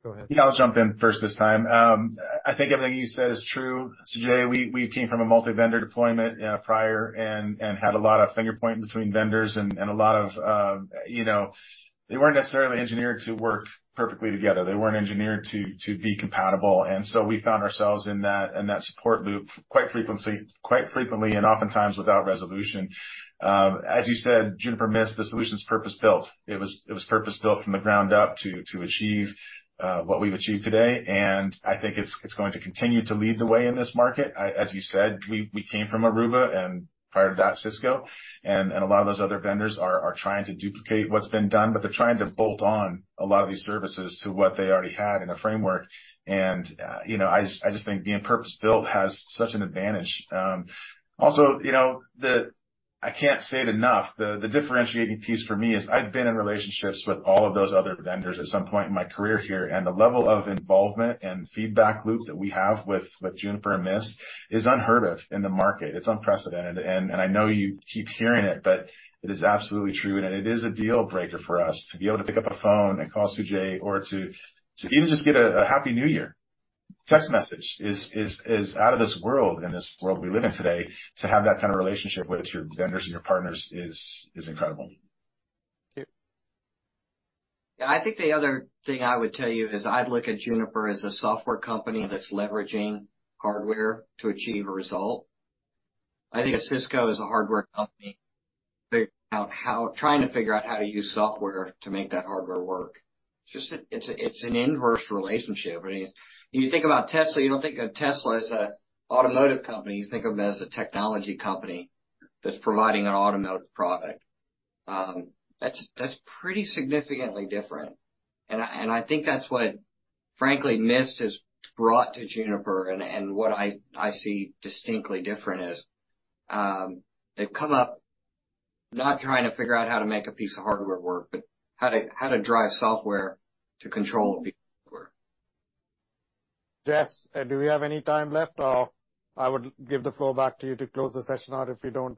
Go ahead. Yeah, I'll jump in first this time. I think everything you said is true, Sujai. We came from a multi-vendor deployment prior, and had a lot of finger pointing between vendors and a lot of, you know, they weren't necessarily engineered to work perfectly together. They weren't engineered to be compatible, and so we found ourselves in that support loop quite frequently and oftentimes without resolution. As you said, Juniper Mist, the solution's purpose-built. It was purpose-built from the ground up to achieve what we've achieved today, and I think it's going to continue to lead the way in this market. As you said, we came from Aruba, and prior to that, Cisco, and a lot of those other vendors are trying to duplicate what's been done, but they're trying to bolt on a lot of these services to what they already had in the framework. And you know, I just think being purpose-built has such an advantage. Also, you know, I can't say it enough, the differentiating piece for me is I've been in relationships with all of those other vendors at some point in my career here, and the level of involvement and feedback loop that we have with Juniper and Mist is unheard of in the market. It's unprecedented, and I know you keep hearing it, but it is absolutely true, and it is a deal breaker for us to be able to pick up a phone and call Sujai or to even just get a Happy New Year text message is out of this world. In this world we live in today, to have that kind of relationship with your vendors and your partners is incredible. Thank you. Yeah, I think the other thing I would tell you is, I'd look at Juniper as a software company that's leveraging hardware to achieve a result. I think of Cisco as a hardware company, trying to figure out how to use software to make that hardware work. It's just an inverse relationship, I mean. When you think about Tesla, you don't think of Tesla as an automotive company, you think of them as a technology company that's providing an automotive product. That's pretty significantly different, and I think that's what, frankly, Mist has brought to Juniper, and what I see distinctly different is, they've come up not trying to figure out how to make a piece of hardware work, but how to drive software to control a piece of hardware. Jess, do we have any time left, or I would give the floor back to you to close the session out if we don't?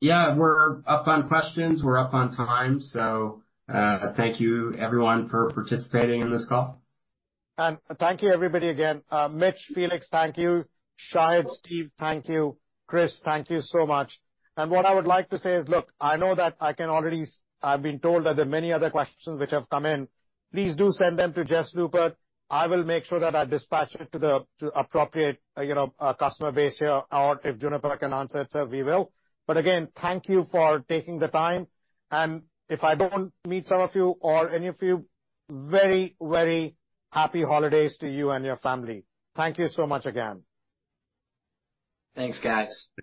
Yeah, we're up on questions, we're up on time, so thank you, everyone, for participating in this call. Thank you, everybody, again. Mitch, Felix, thank you. Shahid, Steve, thank you. Chris, thank you so much. What I would like to say is, look, I know that I can already... I've been told that there are many other questions which have come in. Please do send them to Jess Lubert. I will make sure that I dispatch it to the, to the appropriate, you know, customer base here, or if Juniper can answer it, we will. But again, thank you for taking the time, and if I don't meet some of you or any of you, very, very happy holidays to you and your family. Thank you so much again. Thanks, guys.